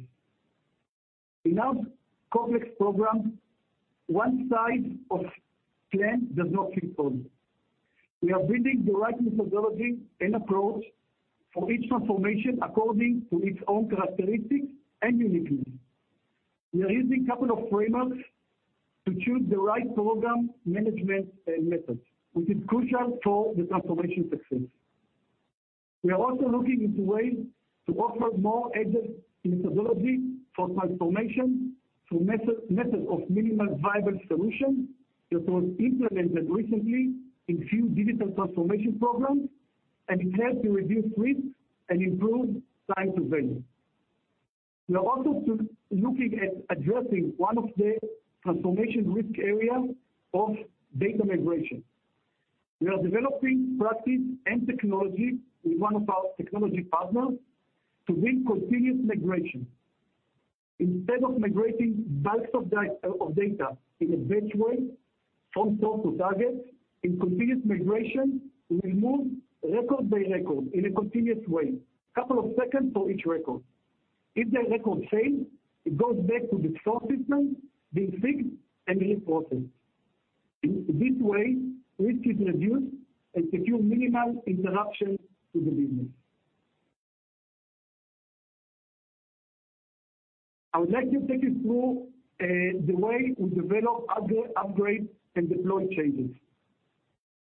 [SPEAKER 4] In our complex programs, one size of plan does not fit all. We are building the right methodology and approach for each transformation according to its own characteristics and uniqueness. We are using couple of frameworks to choose the right program management methods, which is crucial for the transformation success. We are also looking into ways to offer more agile methodology for transformation through method of minimum viable solution that was implemented recently in few digital transformation programs, and it helped to reduce risk and improve time to value. We are also looking at addressing one of the transformation risk area of data migration. We are developing practice and technology with one of our technology partners to build continuous migration. Instead of migrating bytes of data in a batch way from source to target, in continuous migration, we move record by record in a continuous way, couple seconds for each record. If the record fails, it goes back to the source system, being fixed, and is processed. In this way, risk is reduced and secure minimal interruption to the business. I would like to take you through the way we develop, update, upgrade, and deploy changes.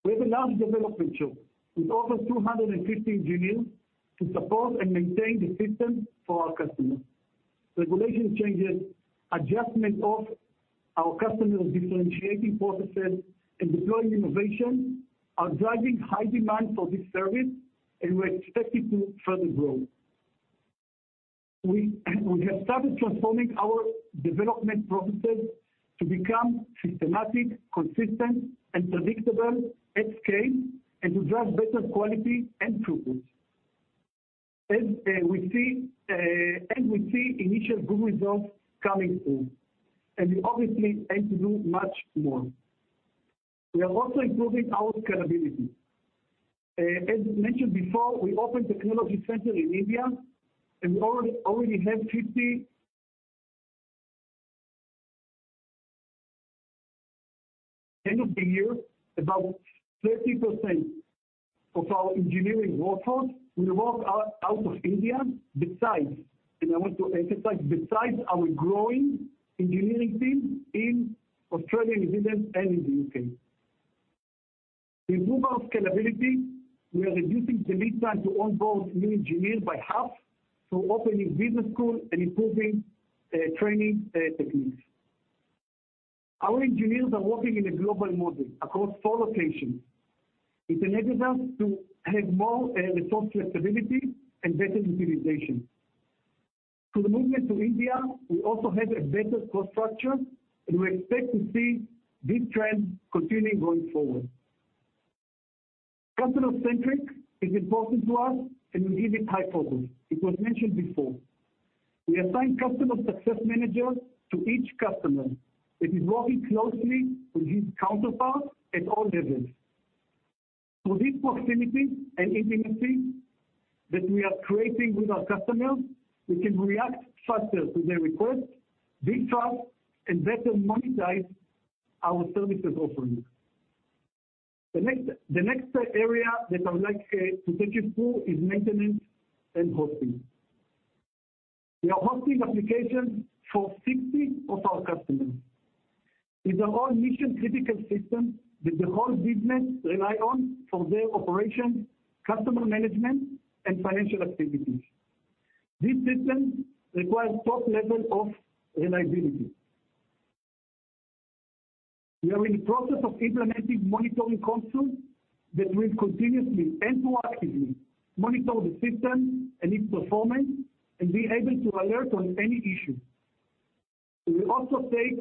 [SPEAKER 4] We have a large development shop with over 250 engineers to support and maintain the systems for our customers. Regulation changes, adjustment of our customers' differentiating processes, and deploying innovation are driving high demand for this service, and we are expecting further growth. We have started transforming our development processes to become systematic, consistent, and predictable at scale and to drive better quality and throughput. We see initial good results coming through, and we obviously aim to do much more. We are also improving our scalability. As mentioned before, we opened a delivery center in India, and we already have 50. By the end of the year, about 30% of our engineering workforce will work out of India besides, and I want to emphasize, besides our growing engineering team in Australia, New Zealand, and the U.K. To improve our scalability, we are reducing the lead time to onboard new engineers by half through opening business schools and improving training techniques. Our engineers are working in a global model across four locations. It enables us to have more resource flexibility and better utilization. Through movement to India, we also have a better cost structure, and we expect to see this trend continuing going forward. Customer-centric is important to us, and we give it high focus. It was mentioned before. We assign customer success managers to each customer that is working closely with his counterparts at all levels. This proximity and intimacy that we are creating with our customers, we can react faster to their requests, build trust, and better monetize our services offerings. The next area that I would like to take you through is maintenance and hosting. We are hosting applications for 60 of our customers. These are all mission-critical systems that the whole business rely on for their operations, customer management, and financial activities. These systems require top level of reliability. We are in the process of implementing monitoring consoles that will continuously and proactively monitor the system and its performance and be able to alert on any issue. We also take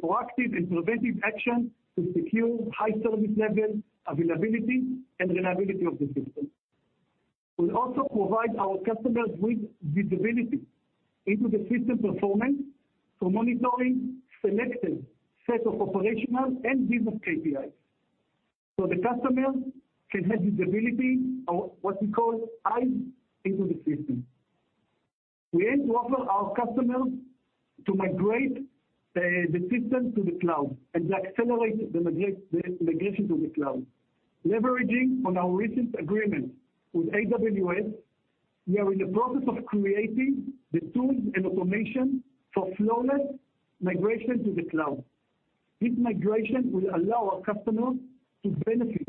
[SPEAKER 4] proactive and preventive action to secure high service level availability and reliability of the system. We also provide our customers with visibility into the system performance for monitoring selected set of operational and business KPIs. The customer can have visibility, or what we call eyes into the system. We aim to offer our customers to migrate the system to the cloud and to accelerate the migration to the cloud. Leveraging on our recent agreement with AWS, we are in the process of creating the tools and automation for flawless migration to the cloud. This migration will allow our customers to benefit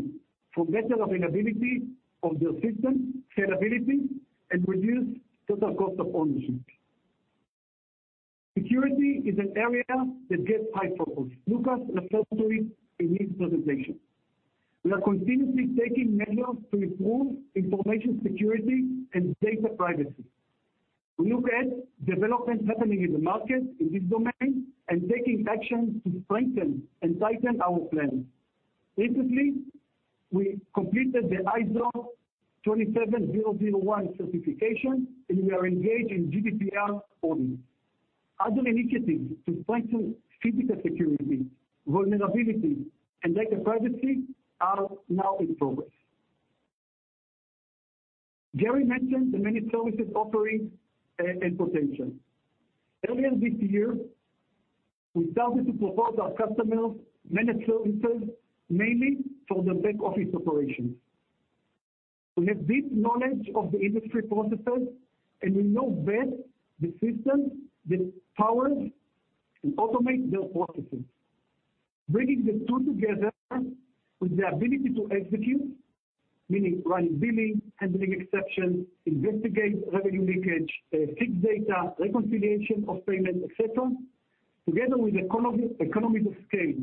[SPEAKER 4] from better availability of their system, scalability, and reduce total cost of ownership. Security is an area that gets high focus. Loukas will talk to it in his presentation. We are continuously taking measures to improve information security and data privacy. We look at developments happening in the market in this domain and taking action to strengthen and tighten our plan. Recently, we completed the ISO 27001 certification, and we are engaged in GDPR audit. Other initiatives to strengthen physical security, vulnerability, and data privacy are now in progress. Gary mentioned the managed services offering and potential. Early in this year, we started to provide our customers managed services, mainly for the back-office operations. We have deep knowledge of the industry processes, and we know best the system that powers and automates their processes. Bringing the two together with the ability to execute, meaning run billing, handling exceptions, investigate revenue leakage, fix data, reconciliation of payments, et cetera, together with economies of scale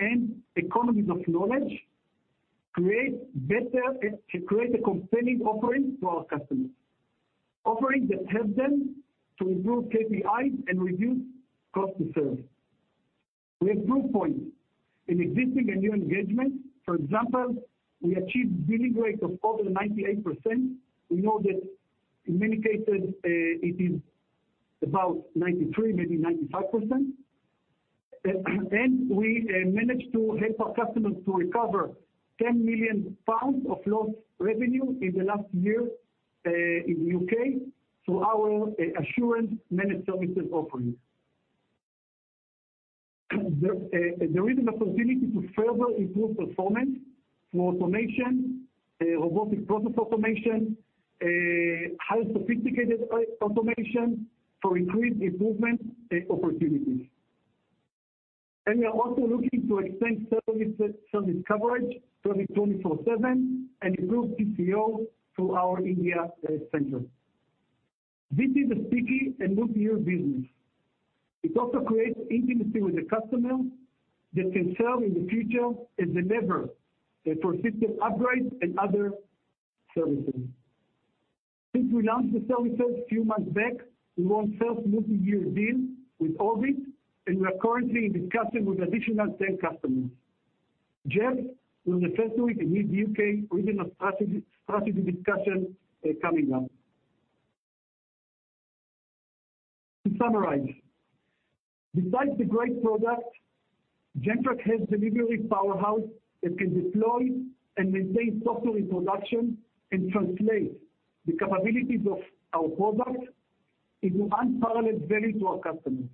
[SPEAKER 4] and economies of knowledge, create a compelling offering to our customers. Offering that helps them to improve KPIs and reduce cost to serve. We have proof points in existing and new engagements. For example, we achieved billing rates of over 98%. We know that in many cases, it is about 93%, maybe 95%. We managed to help our customers to recover 10 million pounds of lost revenue in the last year in the U.K. through our assurance managed services offerings. There is an opportunity to further improve performance through automation, robotic process automation, highly sophisticated automation to increase the improvement opportunities. We are also looking to extend service coverage 24/7 and improve TCO through our India center. This is a sticky and multiyear business. It also creates intimacy with the customer that can sell in the future and deliver for system upgrades and other services. Since we launched the services a few months back, we won self multiyear deal with Orbit, and we are currently in discussion with additional 10 customers. James will talk to it in his U.K. regional strategy discussion coming up. To summarize, besides the great product, Gentrack has a delivery powerhouse that can deploy and maintain software in production and translate the capabilities of our product into unparalleled value to our customers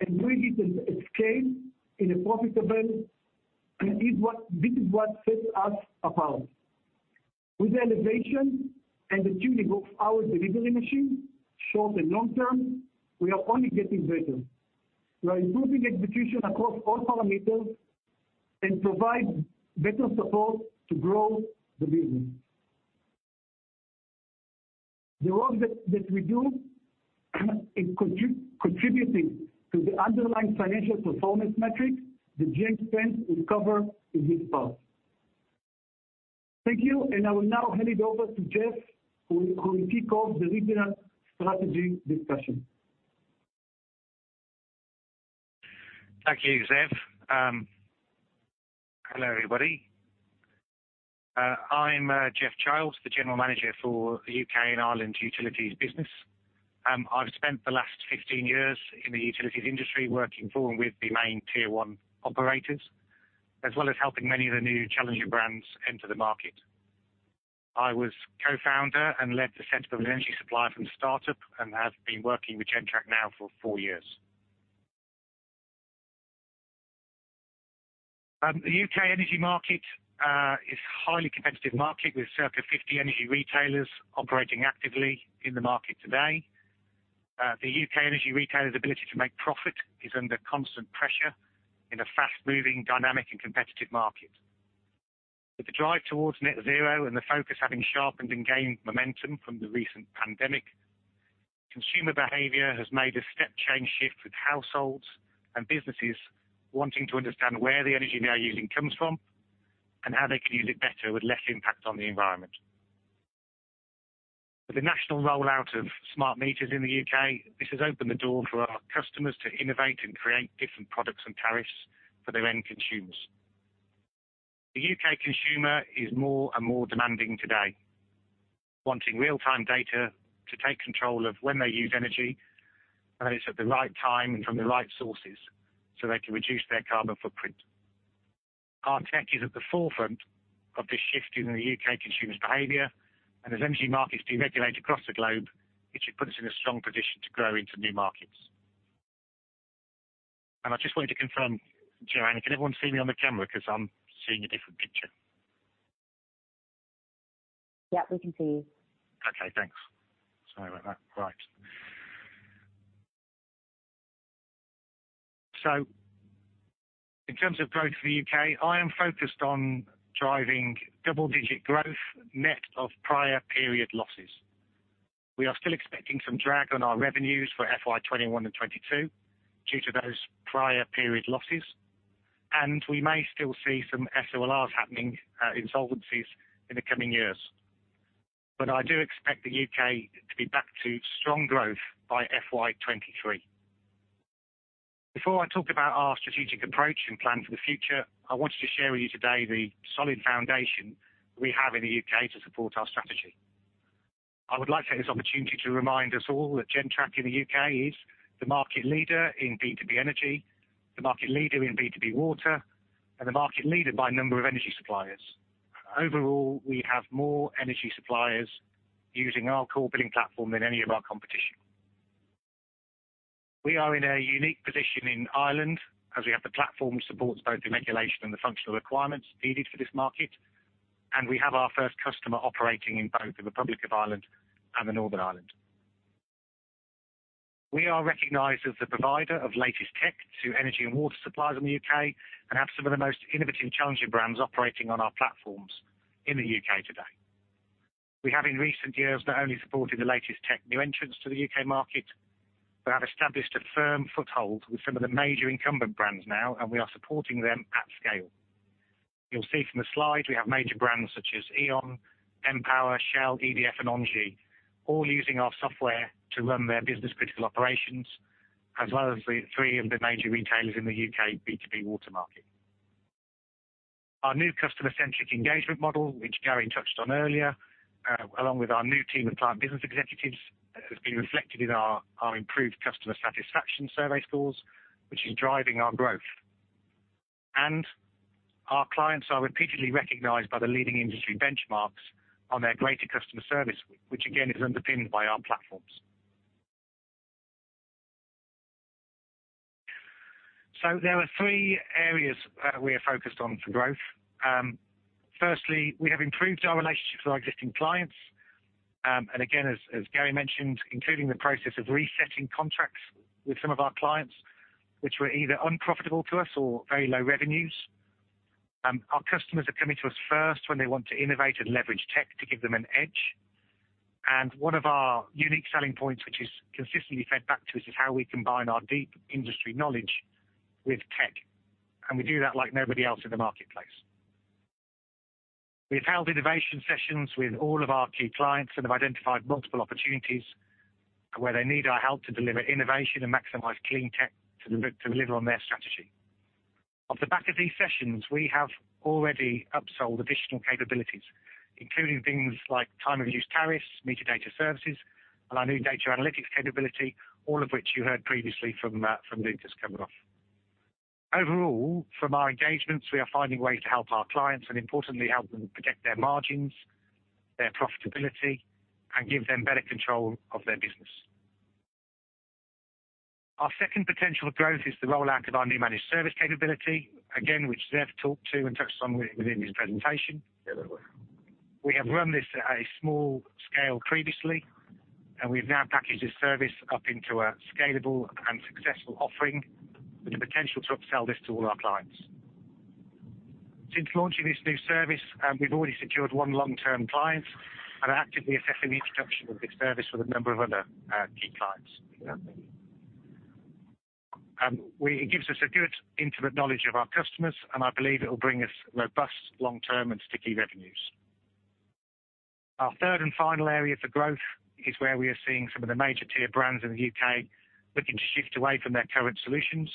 [SPEAKER 4] and bring it at scale and profitable. This is what sets us apart. With elevation and achieving of our delivery machine, short and long term, we are only getting better. We are improving execution across all parameters and provide better support to grow the business. The work that we do is contributing to the underlying financial performance metrics that James Spence will cover in his part. Thank you. I will now hand it over to Geoff, who will kick off the regional strategy discussion.
[SPEAKER 5] Thank you, Zeev. Hello, everybody. I'm Geoff Childs, the general manager for the U.K. and Ireland utilities business. I've spent the last 15 years in the utilities industry working for and with the main tier 1 operators, as well as helping many of the new challenger brands enter the market. I was co-founder and led the Centre of Energy Supply from startup and have been working with Gentrack now for four years. The U.K. energy market is a highly competitive market with circa 50 energy retailers operating actively in the market today. The U.K. energy retailers' ability to make profit is under constant pressure in a fast-moving, dynamic, and competitive market. With the drive towards net zero and the focus having sharpened and gained momentum from the recent pandemic, consumer behavior has made a step change shift, with households and businesses wanting to understand where the energy they're using comes from and how they can use it better with less impact on the environment. With the national rollout of smart meters in the U.K., this has opened the door for our customers to innovate and create different products and tariffs for their end consumers. The U.K. consumer is more and more demanding today, wanting real-time data to take control of when they use energy, and that it's at the right time and from the right sources so they can reduce their carbon footprint. Our tech is at the forefront of this shift in the U.K. consumer's behavior, and as energy markets deregulate across the globe, it should put us in a strong position to grow into new markets. I just wanted to confirm, Joanne, can everyone see me on the camera? Because I'm seeing a different picture.
[SPEAKER 6] Yeah, we can see you.
[SPEAKER 5] Okay, thanks. Sorry about that. Right. In terms of growth for the U.K., I am focused on driving double-digit growth net of prior period losses. We are still expecting some drag on our revenues for FY 2021 and FY 2022 due to those prior period losses, and we may still see some SoLRs happening, insolvencies, in the coming years. I do expect the U.K. to be back to strong growth by FY 2023. Before I talk about our strategic approach and plan for the future, I wanted to share with you today the solid foundation we have in the U.K. to support our strategy. I would like to take this opportunity to remind us all that Gentrack in the U.K. is the market leader in B2B energy, the market leader in B2B water, and the market leader by number of energy suppliers. Overall, we have more energy suppliers using our core billing platform than any of our competition. We are in a unique position in Ireland because we have the platform that supports both the regulation and the functional requirements needed for this market, and we have our first customer operating in both the Republic of Ireland and the Northern Ireland. We are recognized as the provider of the latest tech to energy and water suppliers in the U.K. and have some of the most innovative challenger brands operating on our platforms in the U.K. today. We have in recent years not only supported the latest tech new entrants to the U.K. market, but have established a firm foothold with some of the major incumbent brands now, and we are supporting them at scale. You'll see from the slide we have major brands such as E.ON, npower, Shell, EDF, and Engie, all using our software to run their business-critical operations, as well as three of the major retailers in the U.K. B2B water market. Our new customer-centric engagement model, which Gary touched on earlier, along with our new team of client business executives, has been reflected in our improved customer satisfaction survey scores, which is driving our growth. Our clients are repeatedly recognized by the leading industry benchmarks on their greater customer service, which again, is underpinned by our platforms. There are three areas that we are focused on for growth. Firstly, we have improved our relationships with our existing clients, and again, as Gary mentioned, including the process of resetting contracts with some of our clients, which were either unprofitable to us or very low revenues. Our customers are coming to us first when they want to innovate and leverage tech to give them an edge. One of our unique selling points, which is consistently fed back to us, is how we combine our deep industry knowledge with tech, and we do that like nobody else in the marketplace. We've held innovation sessions with all of our key clients and have identified multiple opportunities where they need our help to deliver innovation and maximize clean tech to deliver on their strategy. Off the back of these sessions, we have already upsold additional capabilities, including things like time of use tariffs, meter data services, and our new data analytics capability, all of which you heard previously from Loukas coming off. Overall, from our engagements, we are finding ways to help our clients and importantly help them protect their margins, their profitability, and give them better control of their business. Our second potential growth is the rollout of our new managed service capability, again, which Zeev talked to and touched on within his presentation. We have run this at a small scale previously, and we've now packaged the service up into a scalable and successful offering with the potential to upsell this to all our clients. Since launching this new service, we've already secured one long-term client and are actively assessing the introduction of this service with a number of other key clients. It gives us a good intimate knowledge of our customers, and I believe it'll bring us robust long-term and sticky revenues. Our third and final area for growth is where we are seeing some of the major tier brands in the U.K. looking to shift away from their current solutions.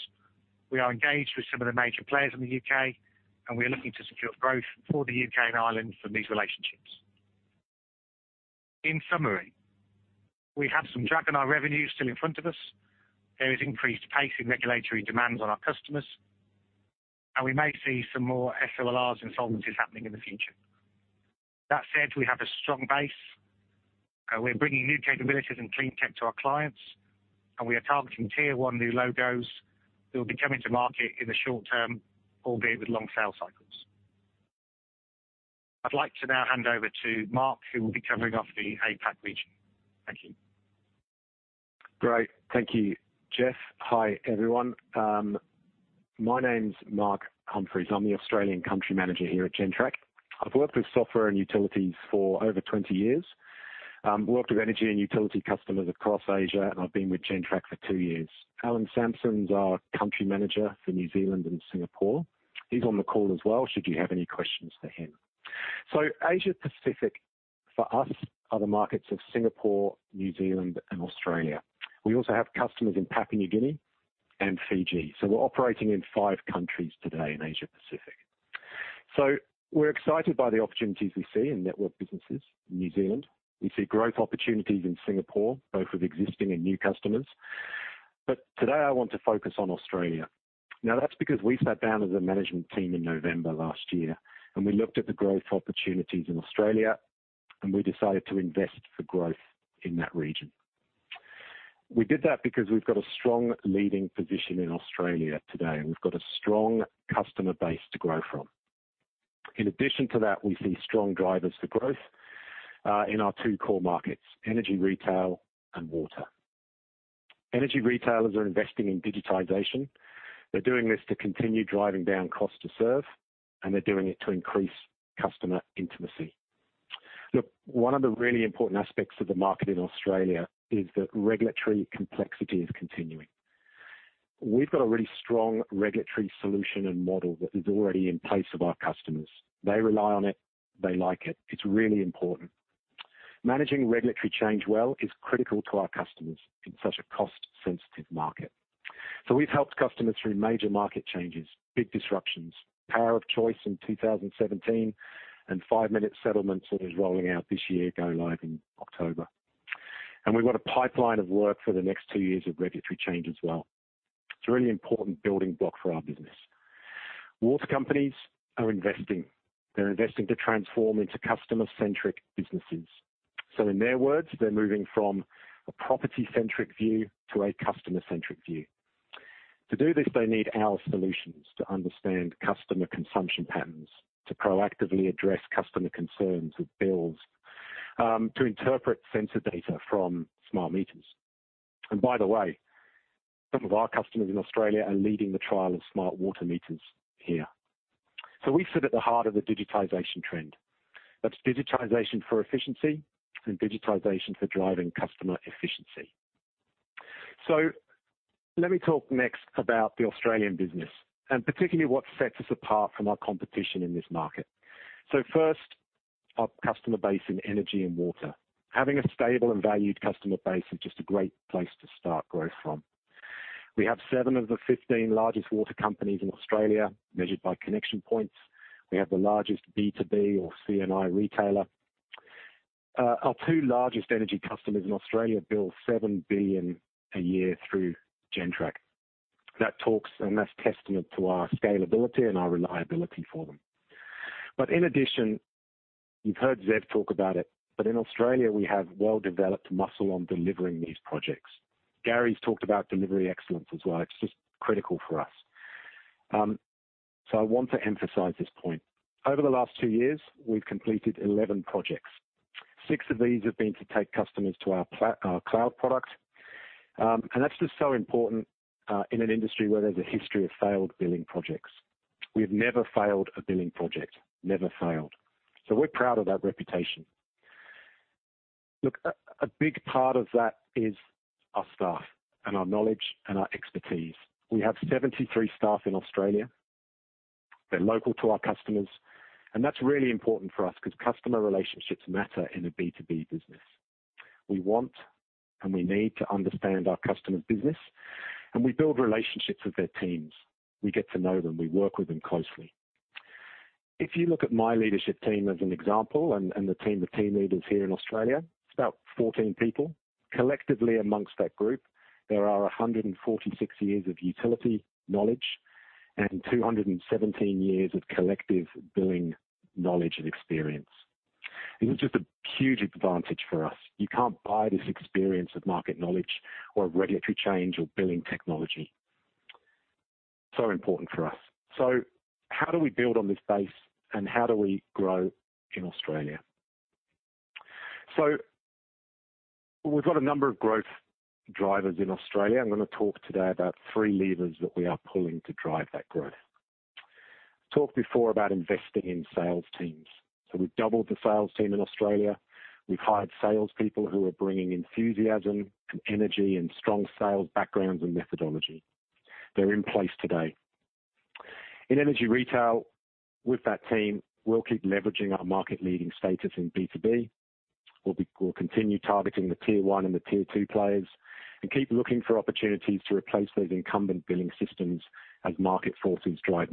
[SPEAKER 5] We are engaged with some of the major players in the U.K., and we are looking to secure growth for the U.K. and Ireland from these relationships. In summary, we have some drag in our revenue still in front of us. There is increased pace in regulatory demands on our customers, and we may see some more SoLRs and insolvencies happening in the future. That said, we have a strong base, and we're bringing new capabilities and clean tech to our clients, and we are targeting tier 1 new logos who will be coming to market in the short term, albeit with long sales cycles. I'd like to now hand over to Mark, who will be covering off the APAC region. Thank you.
[SPEAKER 7] Great. Thank you, Zeev. Hi, everyone. My name's Mark Humphreys. I'm the Australian country manager here at Gentrack. I've worked with software and utilities for over 20 years. Worked with energy and utility customers across Asia, and I've been with Gentrack for two years. Allan Sampson's our country manager for New Zealand and Singapore. He's on the call as well, should you have any questions for him. Asia Pacific for us are the markets of Singapore, New Zealand, and Australia. We also have customers in Papua New Guinea and Fiji. We're operating in five countries today in Asia Pacific. We're excited by the opportunities we see in network businesses in New Zealand. We see growth opportunities in Singapore, both with existing and new customers. Today I want to focus on Australia. That's because we sat down as a management team in November last year, and we looked at the growth opportunities in Australia, and we decided to invest for growth in that region. We did that because we've got a strong leading position in Australia today, and we've got a strong customer base to grow from. In addition to that, we see strong drivers for growth in our two core markets, energy retail and water. Energy retailers are investing in digitization. They're doing this to continue driving down cost to serve, and they're doing it to increase customer intimacy. Look, one of the really important aspects of the market in Australia is that regulatory complexity is continuing. We've got a really strong regulatory solution and model that is already in place with our customers. They rely on it. They like it. It's really important. Managing regulatory change well is critical to our customers in such a cost-sensitive market. We've helped customers through major market changes, big disruptions, Power of Choice in 2017, and five-minute settlements that is rolling out this year, go live in October. We've got a pipeline of work for the next two years of regulatory change as well. It's a really important building block for our business. Water companies are investing. They're investing to transform into customer-centric businesses. In their words, they're moving from a property-centric view to a customer-centric view. To do this, they need our solutions to understand customer consumption patterns, to proactively address customer concerns with bills, to interpret sensor data from smart meters. By the way, some of our customers in Australia are leading the trial of smart water meters here. We sit at the heart of the digitization trend. That's digitization for efficiency and digitization for driving customer efficiency. Let me talk next about the Australian business, and particularly what sets us apart from our competition in this market. First, our customer base in energy and water. Having a stable and valued customer base is just a great place to start growth from. We have seven of the 15 largest water companies in Australia measured by connection points. We have the largest B2B or C&I retailer. Our two largest energy customers in Australia bill 7 billion a year through Gentrack. That's testament to our scalability and our reliability for them. In addition, you've heard Zeev talk about it, but in Australia, we have well-developed muscle on delivering these projects. Gary's talked about delivery excellence as well. It's just critical for us. I want to emphasize this point. Over the last two years, we've completed 11 projects. Six of these have been to take customers to our cloud product. That's just so important in an industry where there's a history of failed billing projects. We've never failed a billing project. Never failed. We're proud of that reputation. Look, a big part of that is our staff and our knowledge and our expertise. We have 73 staff in Australia. They're local to our customers, and that's really important for us because customer relationships matter in a B2B business. We want and we need to understand our customers' business, and we build relationships with their teams. We get to know them. We work with them closely. If you look at my leadership team as an example and the team of team leaders here in Australia, it's about 14 people. Collectively amongst that group, there are 146 years of utility knowledge and 217 years of collective billing knowledge and experience. This is just a huge advantage for us. You can't buy this experience with market knowledge or ready for change or billing technology. Important for us. How do we build on this base, and how do we grow in Australia? We've got a number of growth drivers in Australia. I'm going to talk today about three levers that we are pulling to drive that growth. Talked before about investing in sales teams. We've doubled the sales team in Australia. We've hired salespeople who are bringing enthusiasm and energy and strong sales backgrounds and methodology. They're in place today. In energy retail, with that team, we'll keep leveraging our market-leading status in B2B. We'll continue targeting the tier 1 and the tier 2 players and keep looking for opportunities to replace those incumbent billing systems as market forces drive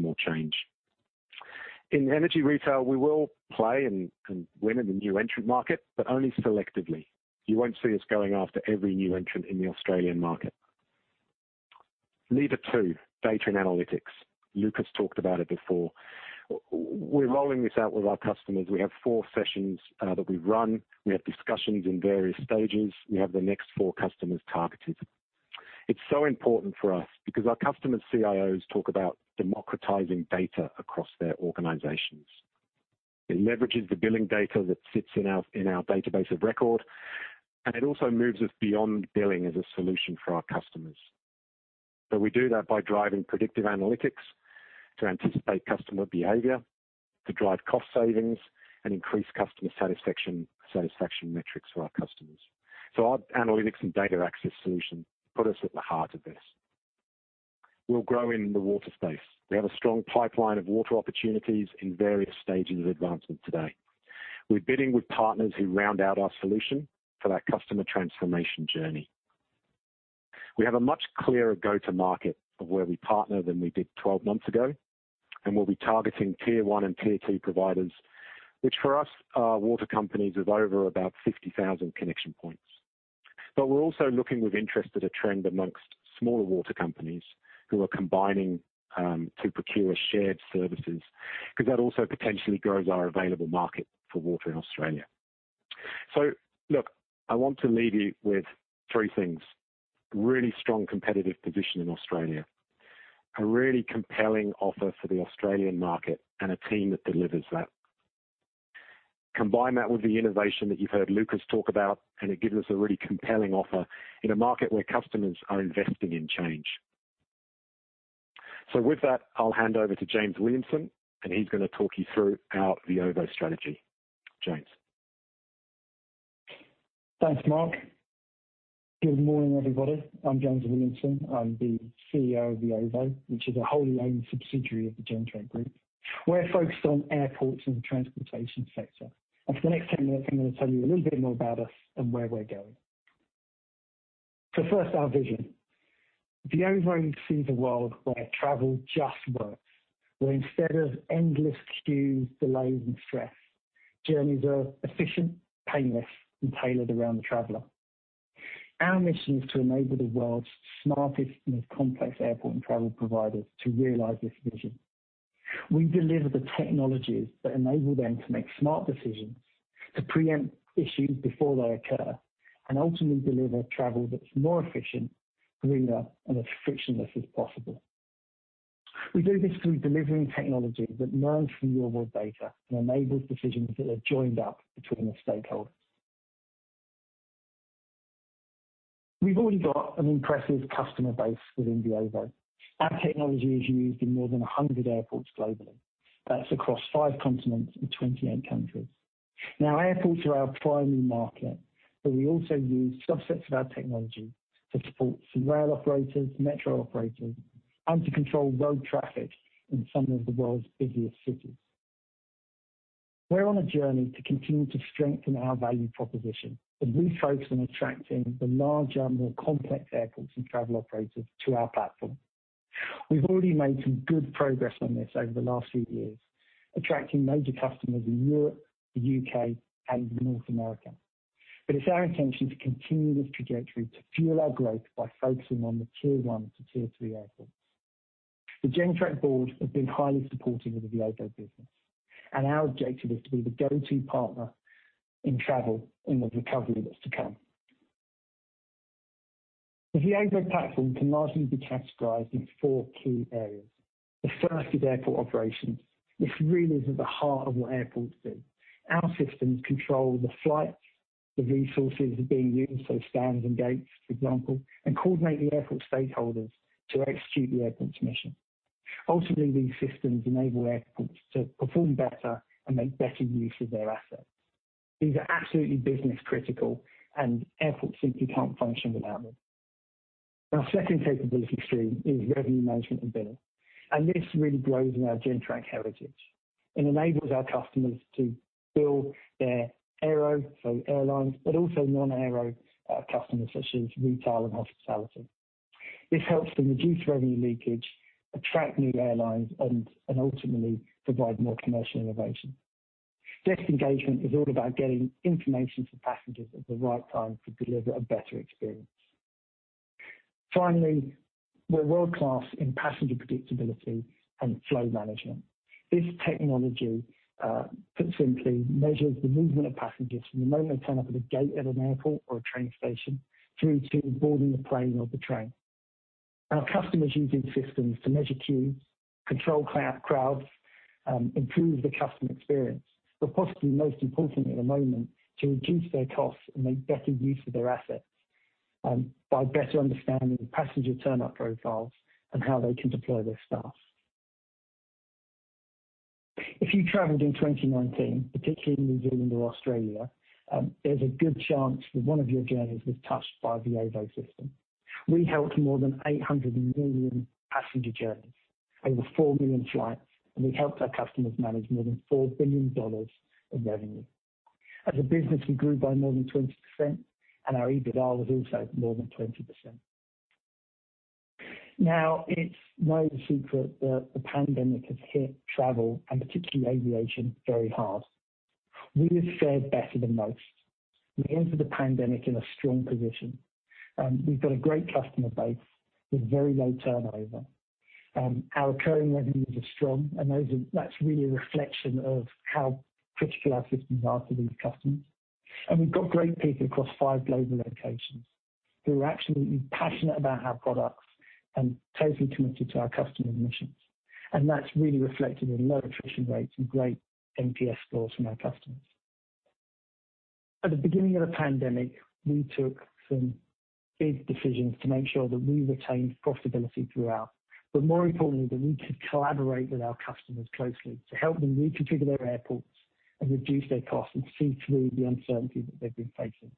[SPEAKER 7] more change. In energy retail, we will play and win in the new entry market, but only selectively. You won't see us going after every new entrant in the Australian market. Lever 2, data and analytics. Luokas talked about it before. We're rolling this out with our customers. We have four sessions that we've run. We have discussions in various stages. We have the next four customers targeted. It's so important for us because our customer CIOs talk about democratizing data across their organizations. It leverages the billing data that sits in our database of record, and it also moves us beyond billing as a solution for our customers. We do that by driving predictive analytics to anticipate customer behavior, to drive cost savings, and increase customer satisfaction metrics for our customers. Our analytics and data access solution put us at the heart of this. We're growing in the water space. We have a strong pipeline of water opportunities in various stages of advancement today. We're bidding with partners who round out our solution for that customer transformation journey. We have a much clearer go-to-market of where we partner than we did 12 months ago, and we'll be targeting tier 1 and tier 2 providers, which for us are water companies with over about 50,000 connection points. We're also looking with interest at a trend amongst smaller water companies who are combining to procure shared services because that also potentially grows our available market for water in Australia. Look, I want to leave you with three things. Really strong competitive position in Australia, a really compelling offer for the Australian market, and a team that delivers that. Combine that with the innovation that you've heard Loukas talk about, and it gives us a really compelling offer in a market where customers are investing in change. With that, I'll hand over to James Williamson, and he's going to talk you through our Veovo strategy. James.
[SPEAKER 8] Thanks, Mark. Good morning, everybody. I'm James Williamson. I'm the CEO of Veovo, which is a wholly owned subsidiary of the Gentrack Group. We're focused on airports and the transportation sector. Over the next 10 minutes, I'm going to tell you a little bit more about us and where we're going. First, our vision. At Veovo, we see a world where travel just works, where instead of endless queues, delays, and stress, journeys are efficient, painless, and tailored around the traveler. Our mission is to enable the world's smartest and most complex airport and travel providers to realize this vision. We deliver the technologies that enable them to make smart decisions, to preempt issues before they occur, and ultimately deliver travel that's more efficient, greener, and as frictionless as possible. We do this through delivering technology that learns from your raw data and enables decisions that are joined up between the stakeholders. We've already got an impressive customer base within Veovo. Our technology is used in more than 100 airports globally. That's across five continents and 28 countries. Airports are our primary market, but we also use subsets of our technology to support some rail operators, metro operators, and to control road traffic in some of the world's busiest cities. We're on a journey to continue to strengthen our value proposition as we focus on attracting the large number of complex airport and travel operators to our platform. We've already made some good progress on this over the last few years, attracting major customers in Europe, the U.K., and North America. It's our intention to continue this trajectory to fuel our growth by focusing on the tier 1 to tier 3 airports. The Gentrack board has been highly supportive of the Veovo business, and our objective is to be the go-to partner in travel in the recovery that's to come. The Veovo platform can largely be categorized into four key areas. The first is airport operations. This really is at the heart of what airports do. Our systems control the flights, the resources being used, so stands and gates, for example, and coordinate the airport stakeholders to execute the airport's mission. Ultimately, these systems enable airports to perform better and make better use of their assets. These are absolutely business-critical, and airports simply can't function without them. Our second capability stream is revenue management and billing, and this really grows in our Gentrack heritage and enables our customers to bill their aero, so airlines, but also non-aero customers such as retail and hospitality. This helps them reduce revenue leakage, attract new airlines, and ultimately provide more commercial innovation. Guest engagement is all about getting information to passengers at the right time to deliver a better experience. Finally, we're world-class in passenger predictability and flow management. This technology put simply, measures the movement of passengers from the moment they turn up at the gate of an airport or a train station through to boarding the plane or the train. Our customers are using systems to measure queues, control crowd flows, improve the customer experience, but possibly most importantly at the moment, to reduce their costs and make better use of their assets by better understanding passenger turn-up profiles and how they can deploy their staff. If you traveled in 2019, particularly in New Zealand or Australia, there's a good chance that one of your journeys was touched by the Veovo platform. We helped more than 800 million passenger journeys over four million flights, and we helped our customers manage more than 4 billion dollars of revenue. As a business, we grew by more than 20%, and our EBITDA was also more than 20%. It's no secret that the pandemic has hit travel, and particularly aviation, very hard. We have fared better than most. We entered the pandemic in a strong position. We've got a great customer base with very low turnover. Our recurring revenues are strong. That's really a reflection of how critical our systems are to these customers. We've got great people across five global locations who are absolutely passionate about our products and totally committed to our customer missions. That's really reflected in low attrition rates and great NPS scores from our customers. At the beginning of the pandemic, we took some big decisions to make sure that we retained profitability throughout. More importantly, that we could collaborate with our customers closely to help them reconfigure their airports and reduce their costs and see through the uncertainty that they've been facing.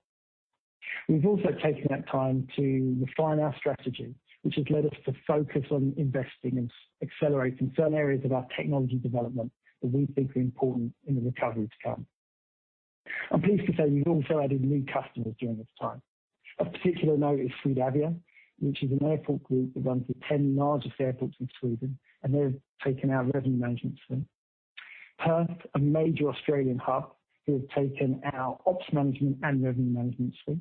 [SPEAKER 8] We've also taken that time to refine our strategy, which has led us to focus on investing and accelerating certain areas of our technology development that we think are important in the recovery to come. I'm pleased to say we've also added new customers during this time. Of particular note is Swedavia, which is an airport group that runs the 10 largest airports in Sweden, and they've taken our revenue management suite. Perth, a major Australian hub, who have taken our ops management and revenue management suite.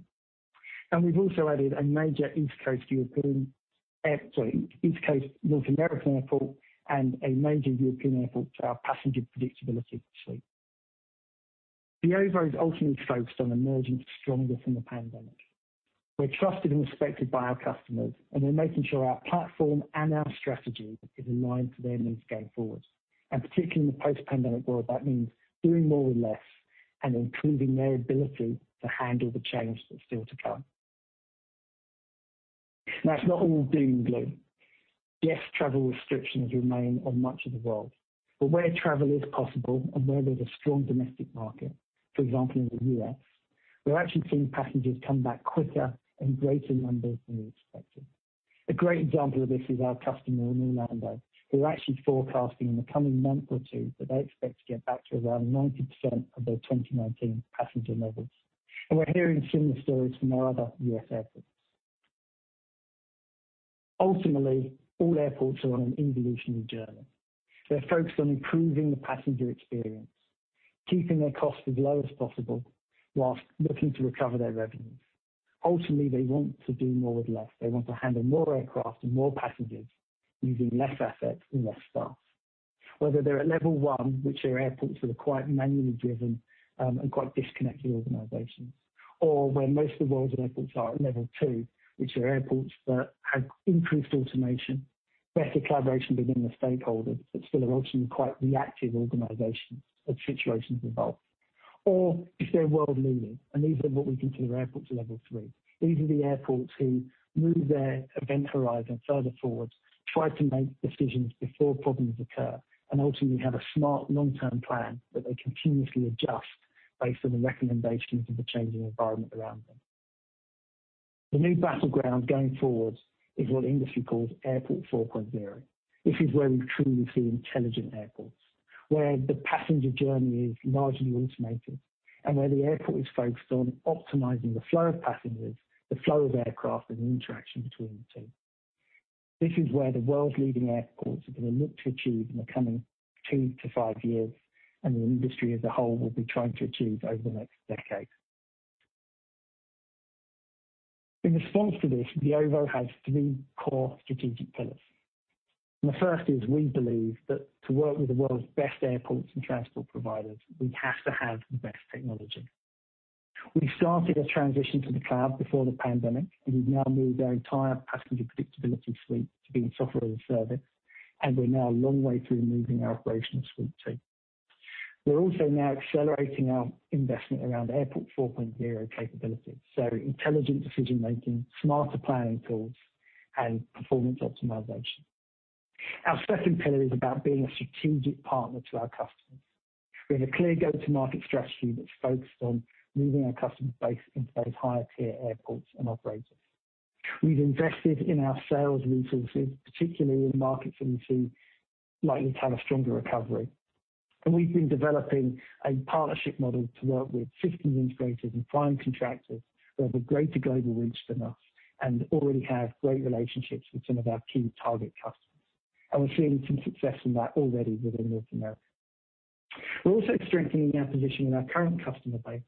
[SPEAKER 8] We've also added a major East Coast North American airport and a major European airport to our passenger predictability suite. Veovo is ultimately focused on emerging stronger from the pandemic. We're trusted and respected by our customers, and we're making sure our platform and our strategy is aligned to their needs going forward. Particularly in the post-pandemic world, that means doing more with less and improving their ability to handle the change that's still to come. It's not all doom and gloom. Travel restrictions remain on much of the world, but where travel is possible and where there's a strong domestic market, for example, in the U.S., we're actually seeing passengers come back quicker in greater numbers than we expected. A great example of this is our customer in Orlando, who are actually forecasting in the coming month or two that they expect to get back to around 90% of their 2019 passenger levels. We're hearing similar stories from our other U.S. airports. Ultimately, all airports are on an evolutionary journey. They're focused on improving the passenger experience, keeping their costs as low as possible, while looking to recover their revenues. Ultimately, they want to do more with less. They want to handle more aircraft and more passengers using less assets and less staff. Whether they're at level 1, which are airports that are quite manually driven and quite disconnected organizations, or where most of the world's airports are at level 2, which are airports that have increased automation, better collaboration within the stakeholders, but still are ultimately quite reactive organizations as situations evolve. If they're world-leading, and these are what we consider airports at level 3. These are the airports who move their event horizon further forward, try to make decisions before problems occur, and ultimately have a smart long-term plan that they continuously adjust based on the recommendations of the changing environment around them. The new battleground going forward is what the industry calls Airport 4.0. This is where we truly see intelligent airports, where the passenger journey is largely automated, and where the airport is focused on optimizing the flow of passengers, the flow of aircraft, and the interaction between the two. This is where the world's leading airports are going to look to achieve in the coming two to five years, and the industry as a whole will be trying to achieve over the next decade. In response to this, Veovo has three core strategic pillars. The first is we believe that to work with the world's best airports and transport providers, we have to have the best technology. We started a transition to the cloud before the pandemic, and we've now moved our entire passenger predictability suite to being software as a service, and we're now a long way through moving our operations suite, too. We're also now accelerating our investment around Airport 4.0 capabilities, so intelligent decision-making, smarter planning tools, and performance optimization. Our second pillar is about being a strategic partner to our customers. We have a clear go-to-market strategy that's focused on moving our customer base into those higher tier airports and operators. We've invested in our sales resources, particularly in markets we see likely to have a stronger recovery. We've been developing a partnership model to work with systems integrators and prime contractors who have a greater global reach than us and already have great relationships with some of our key target customers. We're seeing some success in that already within North America. We're also strengthening our position in our current customer base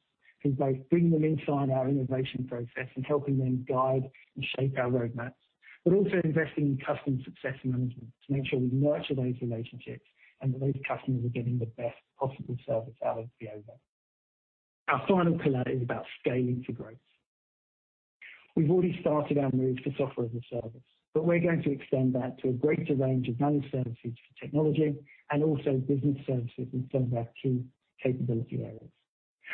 [SPEAKER 8] in both bringing them into our innovation process and helping them guide and shape our roadmap, but also investing in customer success management to make sure we nurture those relationships and those customers are getting the best possible service out of the Veovo. Our final pillar is about scale integrates. We've already started our move to Software as a Service, but we're going to extend that to a greater range of managed services for technology and also business services inside our two capability areas.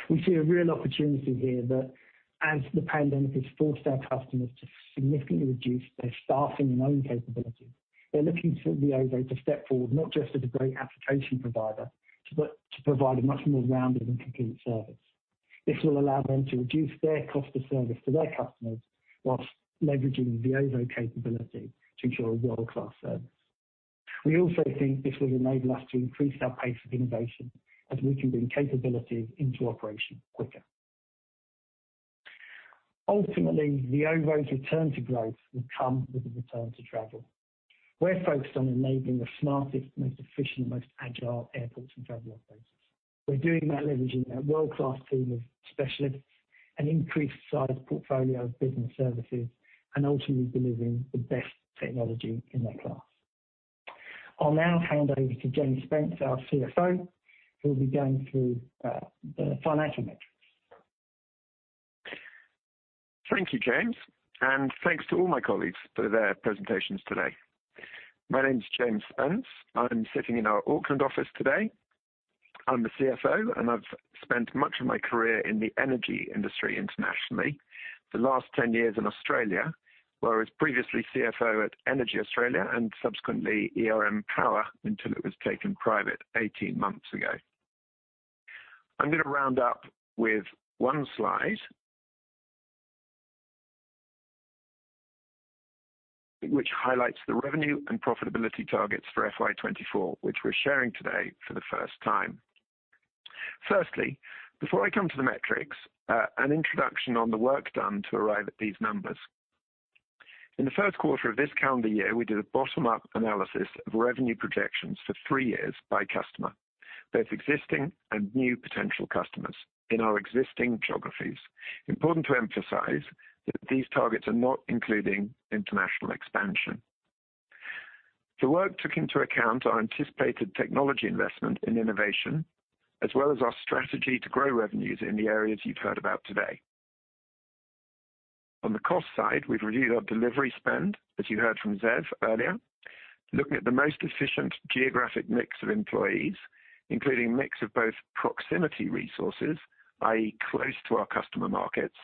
[SPEAKER 8] We see a real opportunity here that as the pandemic has forced our customers to significantly reduce their staffing and own capability, they're looking to the Veovo to step forward not just as a great application provider, but to provide a much more rounded and complete service. This will allow them to reduce their cost of service to their customers whilst leveraging the Veovo capability to ensure a world-class service. We also think this will enable us to increase our pace of innovation as we can bring capabilities into operation quicker. Ultimately, the Veovo's return to growth will come with a return to travel. We're focused on enabling the smartest, most efficient, most agile airports and travel operators. We're doing that leveraging our world-class team of specialists and increased size portfolio of business services, and ultimately delivering the best technology in our class. I'll now hand over to James Spence, our CFO, who'll be going through the financial metrics.
[SPEAKER 9] Thank you, James, and thanks to all my colleagues for their presentations today. My name is James Spence. I'm sitting in our Auckland office today. I'm the CFO, and I've spent much of my career in the energy industry internationally, the last 10 years in Australia, where I was previously CFO at EnergyAustralia and subsequently ERM Power until it was taken private 18 months ago. I'm going to round up with one slide, which highlights the revenue and profitability targets for FY 2024, which we're sharing today for the first time. Firstly, before I come to the metrics, an introduction on the work done to arrive at these numbers. In the first quarter of this calendar year, we did a bottom-up analysis of revenue projections for three years by customer, both existing and new potential customers in our existing geographies. Important to emphasize that these targets are not including international expansion. The work took into account our anticipated technology investment in innovation, as well as our strategy to grow revenues in the areas you've heard about today. On the cost side, we've reviewed our delivery spend, as you heard from Zeev earlier, looking at the most efficient geographic mix of employees, including mix of both proximity resources, i.e., close to our customer markets,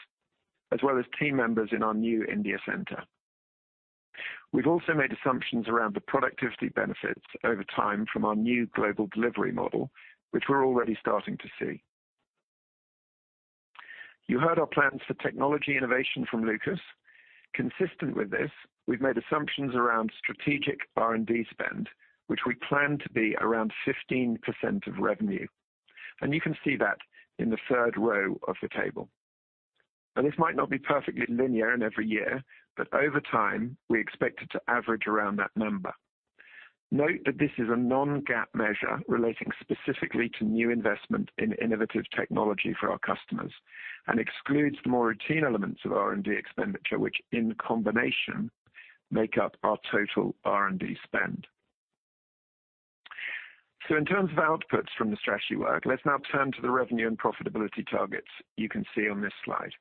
[SPEAKER 9] as well as team members in our new India center. We've also made assumptions around the productivity benefits over time from our new global delivery model, which we're already starting to see. You heard our plans for technology innovation from Loukas. Consistent with this, we've made assumptions around strategic R&D spend, which we plan to be around 15% of revenue. You can see that in the third row of the table. This might not be perfectly linear in every year, but over time, we expect it to average around that number. Note that this is a non-GAAP measure relating specifically to new investment in innovative technology for our customers and excludes more routine elements of R&D expenditure which in combination make up our total R&D spend. In terms of outputs from the strategy work, let's now turn to the revenue and profitability targets you can see on this slide.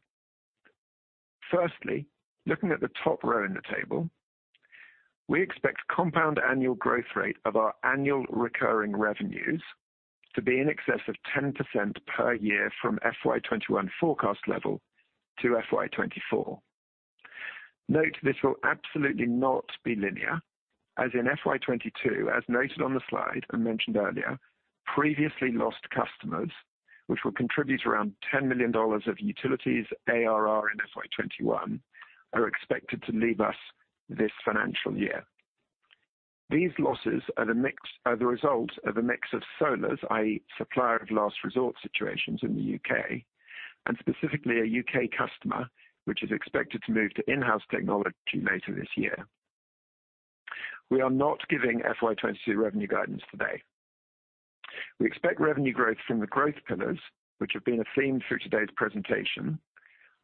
[SPEAKER 9] Firstly, looking at the top row in the table, we expect compound annual growth rate of our annual recurring revenues to be in excess of 10% per year from FY 2021 forecast level to FY 2024. Note this will absolutely not be linear, as in FY 2022, as noted on the slide and mentioned earlier, previously lost customers, which will contribute around 10 million dollars of utilities ARR in FY 2021, are expected to leave us this financial year. These losses are the result of a mix of SoLRs, i.e., Supplier of Last Resort situations in the U.K., and specifically a U.K. customer, which is expected to move to in-house technology later this year. We are not giving FY 2022 revenue guidance today. We expect revenue growth from the growth pillars, which have been a theme through today's presentation,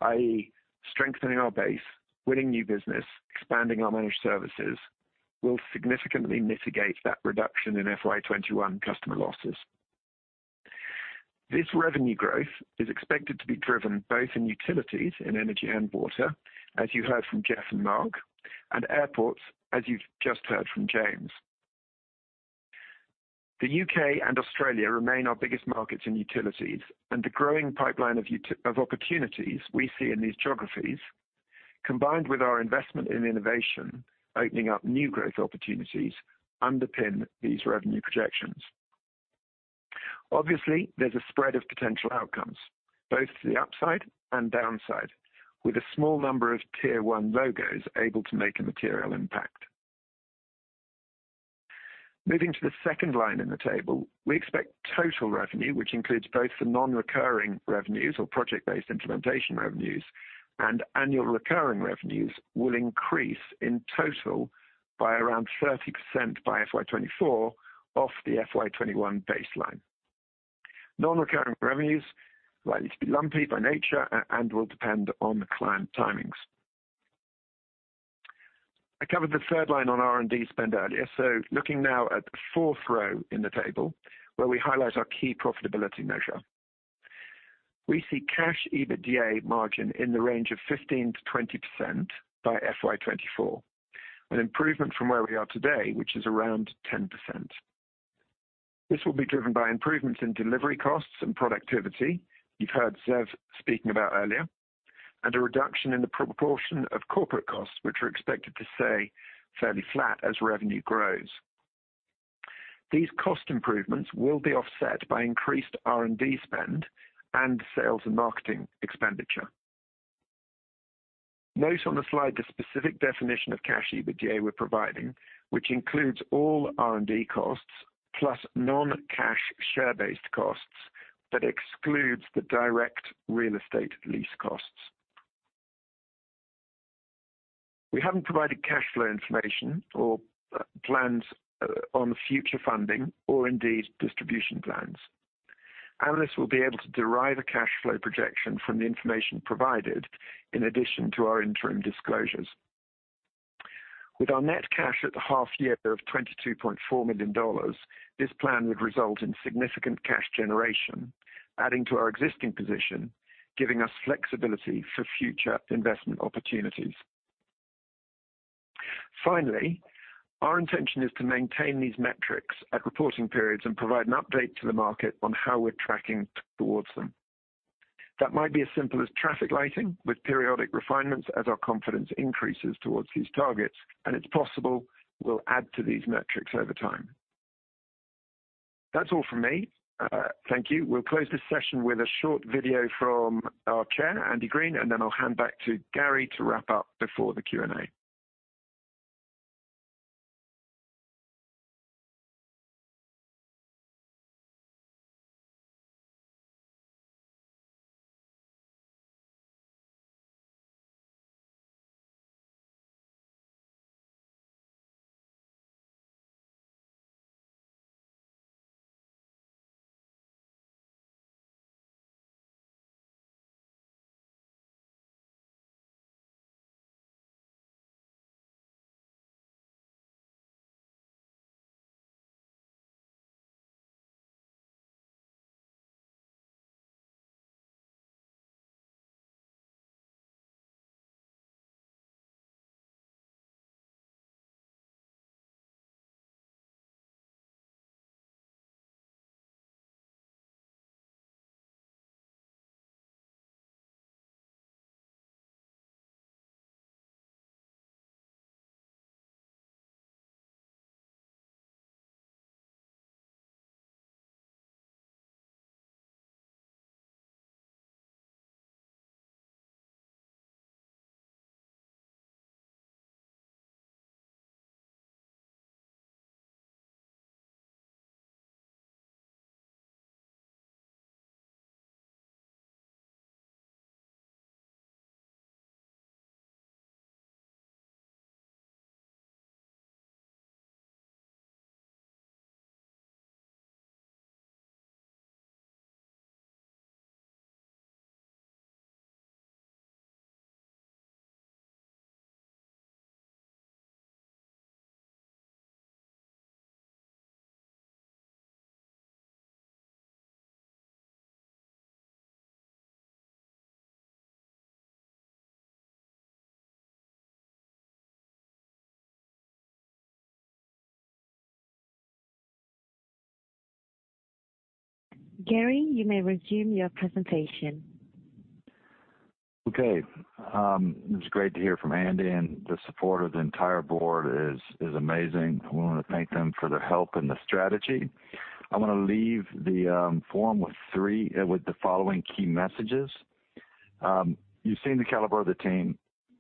[SPEAKER 9] i.e., strengthening our base, winning new business, expanding our managed services, will significantly mitigate that reduction in FY 2021 customer losses. This revenue growth is expected to be driven both in utilities, in energy and water, as you heard from Geoff and Mark, and airports, as you've just heard from James. The U.K. and Australia remain our biggest markets in utilities, the growing pipeline of opportunities we see in these geographies, combined with our investment in innovation, opening up new growth opportunities underpin these revenue projections. Obviously, there's a spread of potential outcomes, both to the upside and downside, with a small number of tier 1 logos able to make a material impact. Moving to the second line in the table, we expect total revenue, which includes both the non-recurring revenues or project-based implementation revenues and annual recurring revenues will increase in total by around 30% by FY 2024 off the FY 2021 baseline. Non-recurring revenues are likely to be lumpy by nature and will depend on the client timings. I covered the third line on R&D spend earlier. Looking now at the fourth row in the table, where we highlight our key profitability measure. We see cash EBITDA margin in the range of 15%-20% by FY 2024, an improvement from where we are today, which is around 10%. This will be driven by improvements in delivery costs and productivity, you've heard Zeev speaking about earlier, and a reduction in the proportion of corporate costs, which are expected to stay fairly flat as revenue grows. These cost improvements will be offset by increased R&D spend and sales and marketing expenditure. Note on the slide the specific definition of cash EBITDA we're providing, which includes all R&D costs plus non-cash share-based costs, but excludes the direct real estate lease costs. We haven't provided cash flow information or plans on future funding or indeed distribution plans. Analysts will be able to derive a cash flow projection from the information provided in addition to our interim disclosures. With our net cash at the half year of 22.4 million dollars, this plan would result in significant cash generation, adding to our existing position, giving us flexibility for future investment opportunities. Our intention is to maintain these metrics at reporting periods and provide an update to the market on how we're tracking towards them. That might be as simple as traffic lighting with periodic refinements as our confidence increases towards these targets, and it's possible we'll add to these metrics over time. That's all from me. Thank you. We'll close this session with a short video from our Chair, Andy Green, and then I'll hand back to Gary to wrap up before the Q&A.
[SPEAKER 1] Gary, you may resume your presentation.
[SPEAKER 2] Okay. It was great to hear from Andy. The support of the entire board is amazing. We want to thank them for their help and the strategy. I want to leave the forum with the following key messages. You've seen the caliber of the team.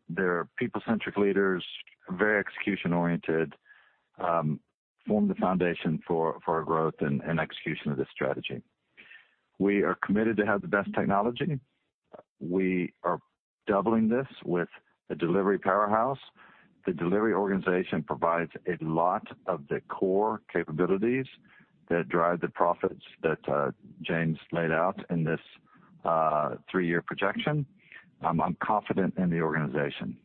[SPEAKER 2] They're people-centric leaders, very execution-oriented, form the foundation for our growth and execution of this strategy. We are committed to have the best technology. We are doubling this with a delivery powerhouse. The delivery organization provides a lot of the core capabilities that drive the profits that James laid out in this three-year projection. I'm confident in the organization.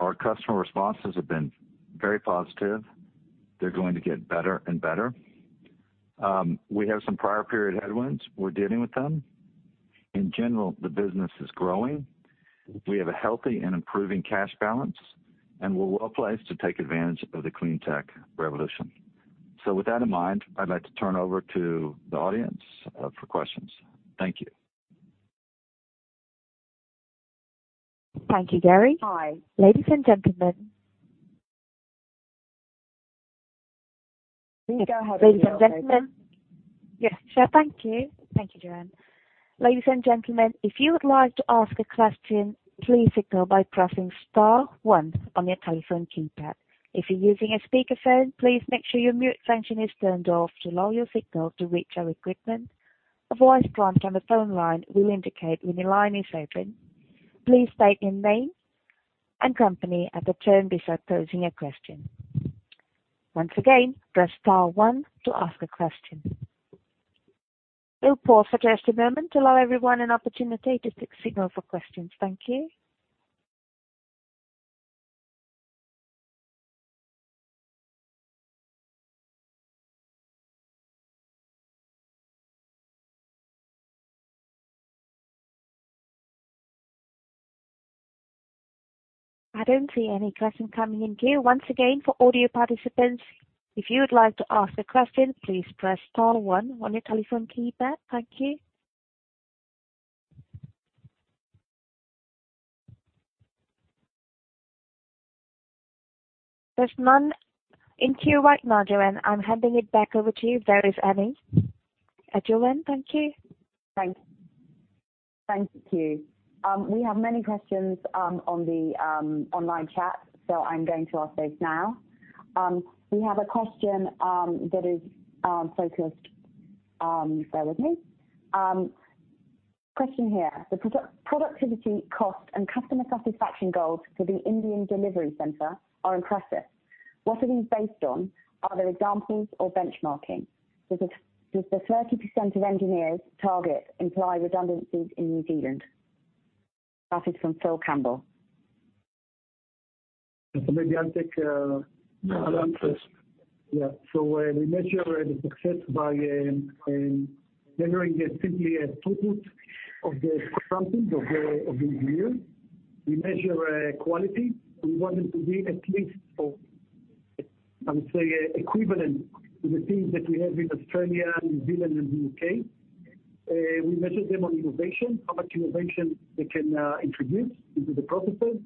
[SPEAKER 2] Our customer responses have been very positive. They're going to get better and better. We have some prior period headwinds. We're dealing with them. In general, the business is growing. We have a healthy and improving cash balance, and we're well-placed to take advantage of the clean tech revolution. With that in mind, I'd like to turn over to the audience for questions. Thank you.
[SPEAKER 1] Thank you, Gary. Ladies and gentlemen. Yes, sir. Thank you. Thank you, Joanne. Ladies and gentlemen, if you would like to ask a question, please signal by pressing star one on your telephone keypad. If you're using a speakerphone, please make sure your mute function is turned off to allow your signal to reach our equipment. A voice prompt on the phone line will indicate when the line is open. Please state your name and company at the turn before posing a question. Once again, press star one to ask a question. We'll pause for just a moment to allow everyone an opportunity to signal for questions. Thank you. I don't see any questions coming in here. Once again, for audio participants, if you would like to ask a question, please press star one on your telephone keypad. Thank you. There's none in queue right now, Joanne. I'm handing it back over to you. There is Abby. Joanne, thank you.
[SPEAKER 6] Thanks. We have many questions on the online chat, so I'm going to ask those now. Bear with me. Question here, the productivity cost and customer satisfaction goals for the Indian delivery center are impressive. What are these based on? Are there examples or benchmarking? Does the 30% of engineers target imply redundancies in New Zealand? That is from Phil Campbell.
[SPEAKER 4] It's a very antique.
[SPEAKER 2] No.
[SPEAKER 4] We measure the success by measuring the simply a throughput of the quantities of the engineer. We measure quality. We want it to be at least, I would say, equivalent to the teams that we have in Australia, New Zealand, and U.K. We measure them on innovation, how much innovation they can introduce into the processes.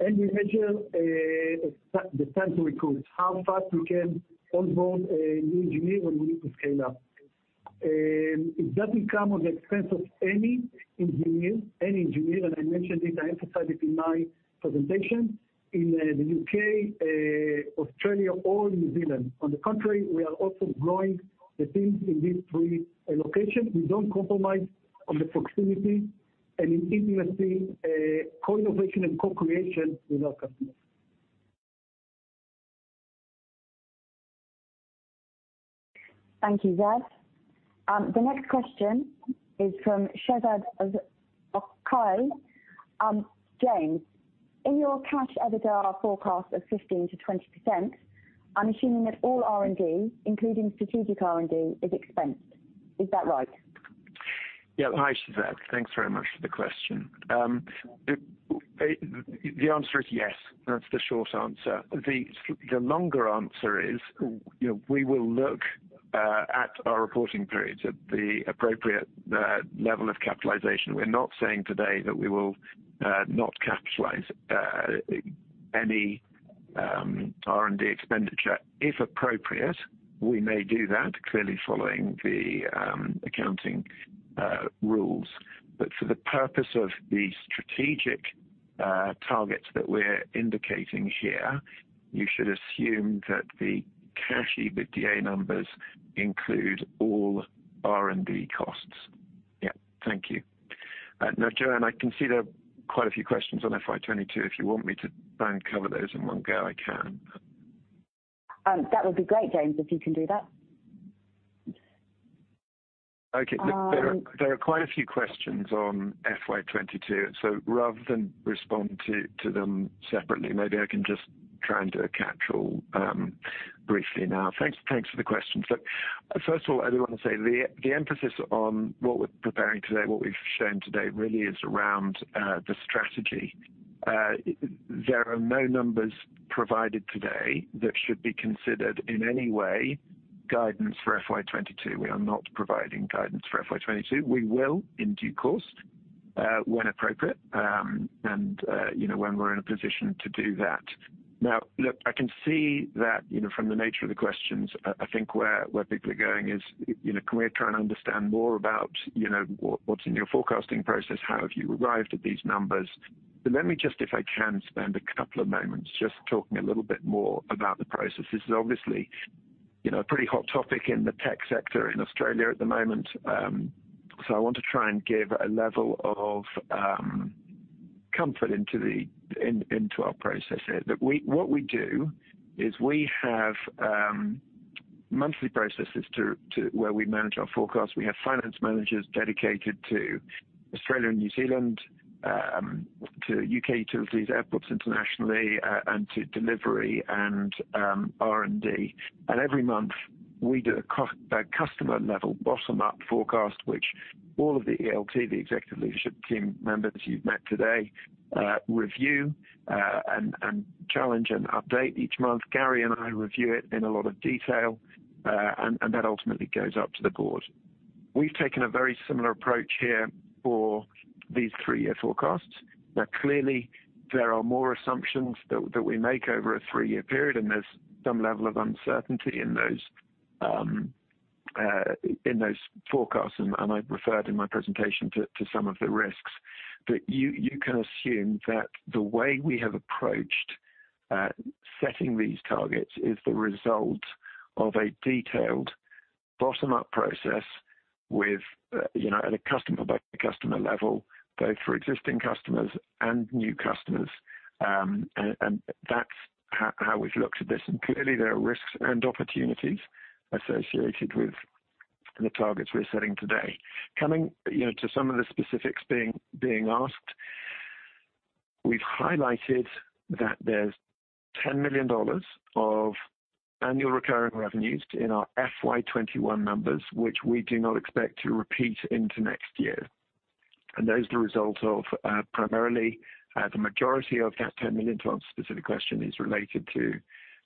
[SPEAKER 4] We measure the time to recruit, how fast we can onboard a new engineer when we need to scale up. It doesn't come at the expense of any engineer, and I mentioned it, I emphasized it in my presentation, in the U.K., Australia, or New Zealand. On the contrary, we are also growing the teams in these three locations. We don't compromise on the proximity and in indeed we have seen co-innovation and co-creation with our customers.
[SPEAKER 6] Thank you, Zeev. The next question is from Shezad Akali. James, in your cash EBITDA forecast of 15%-20%, I'm assuming that all R&D, including strategic R&D, is expensed. Is that right?
[SPEAKER 9] Hi, Shezad. Thanks very much for the question. The answer is yes. That's the short answer. The longer answer is, we will look at our reporting periods at the appropriate level of capitalization. We are not saying today that we will not capitalize any R&D expenditure. If appropriate, we may do that, clearly following the accounting rules. For the purpose of the strategic targets that we are indicating here, you should assume that the cash EBITDA numbers include all R&D costs. Thank you. Joanne, I can see there are quite a few questions on FY 2022. If you want me to cover those in one go, I can.
[SPEAKER 6] That would be great, James, if you can do that.
[SPEAKER 9] Okay. There are quite a few questions on FY 2022. Rather than respond to them separately, maybe I can just try and do a catchall briefly now. Thanks for the question. First of all, I want to say the emphasis on what we're preparing today, what we've shown today really is around the strategy. There are no numbers provided today that should be considered in any way guidance for FY 2022. We are not providing guidance for FY 2022. We will in due course, when appropriate, and when we're in a position to do that. Now, look, I can see that from the nature of the questions, I think where people are going is, can we try and understand more about what's in your forecasting process? How have you arrived at these numbers? Let me just, if I can, spend a couple of moments just talking a little bit more about the process. This is obviously a pretty hot topic in the tech sector in Australia at the moment. I want to try and give a level of comfort into our processes. What we do is we have monthly processes where we manage our forecast. We have finance managers dedicated to Australia and New Zealand, to U.K. utilities, airports internationally, and to delivery and R&D. Every month we do a customer-level bottom-up forecast, which all of the ELT, the executive leadership team members you've met today, review and challenge and update each month. Gary and I review it in a lot of detail, and that ultimately goes up to the board. We've taken a very similar approach here for these three-year forecasts. Clearly, there are more assumptions that we make over a three-year period, and there's some level of uncertainty in those forecasts, and I referred in my presentation to some of the risks. You can assume that the way we have approached setting these targets is the result of a detailed bottom-up process at a customer-by-customer level, both for existing customers and new customers. That's how we've looked at this. Clearly, there are risks and opportunities associated with the targets we're setting today. Coming to some of the specifics being asked, we've highlighted that there's 10 million dollars of annual recurring revenues in our FY 2021 numbers, which we do not expect to repeat into next year. Those are the result of primarily the majority of that 10 million, to answer the specific question, is related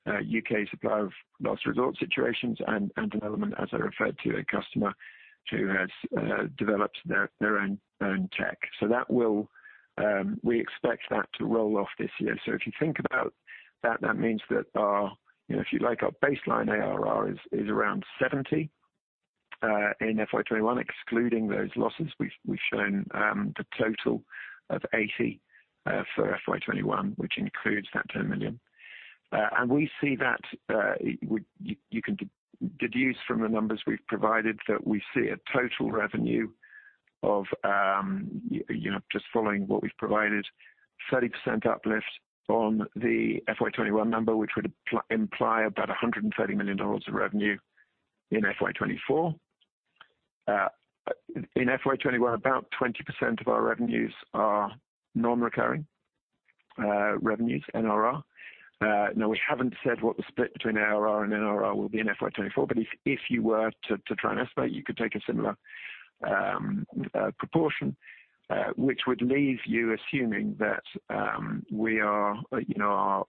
[SPEAKER 9] to U.K. Supplier of Last Resort situations and development, as I referred to a customer who has developed their own tech. We expect that to roll off this year. If you think about that means that if you like, our baseline ARR is around 70 million in FY 2021, excluding those losses. We've shown the total of 80 million for FY 2021, which includes that NZD 10 million. You can deduce from the numbers we've provided that we see a total revenue of, just following what we've provided, 30% uplift on the FY 2021 number, which would imply about 170 million dollars of revenue in FY 2024. In FY 2021, about 20% of our revenues are non-recurring revenues, NRR. We haven't said what the split between ARR and NRR will be in FY 2024, but if you were to try and estimate, you could take a similar proportion, which would leave you assuming that our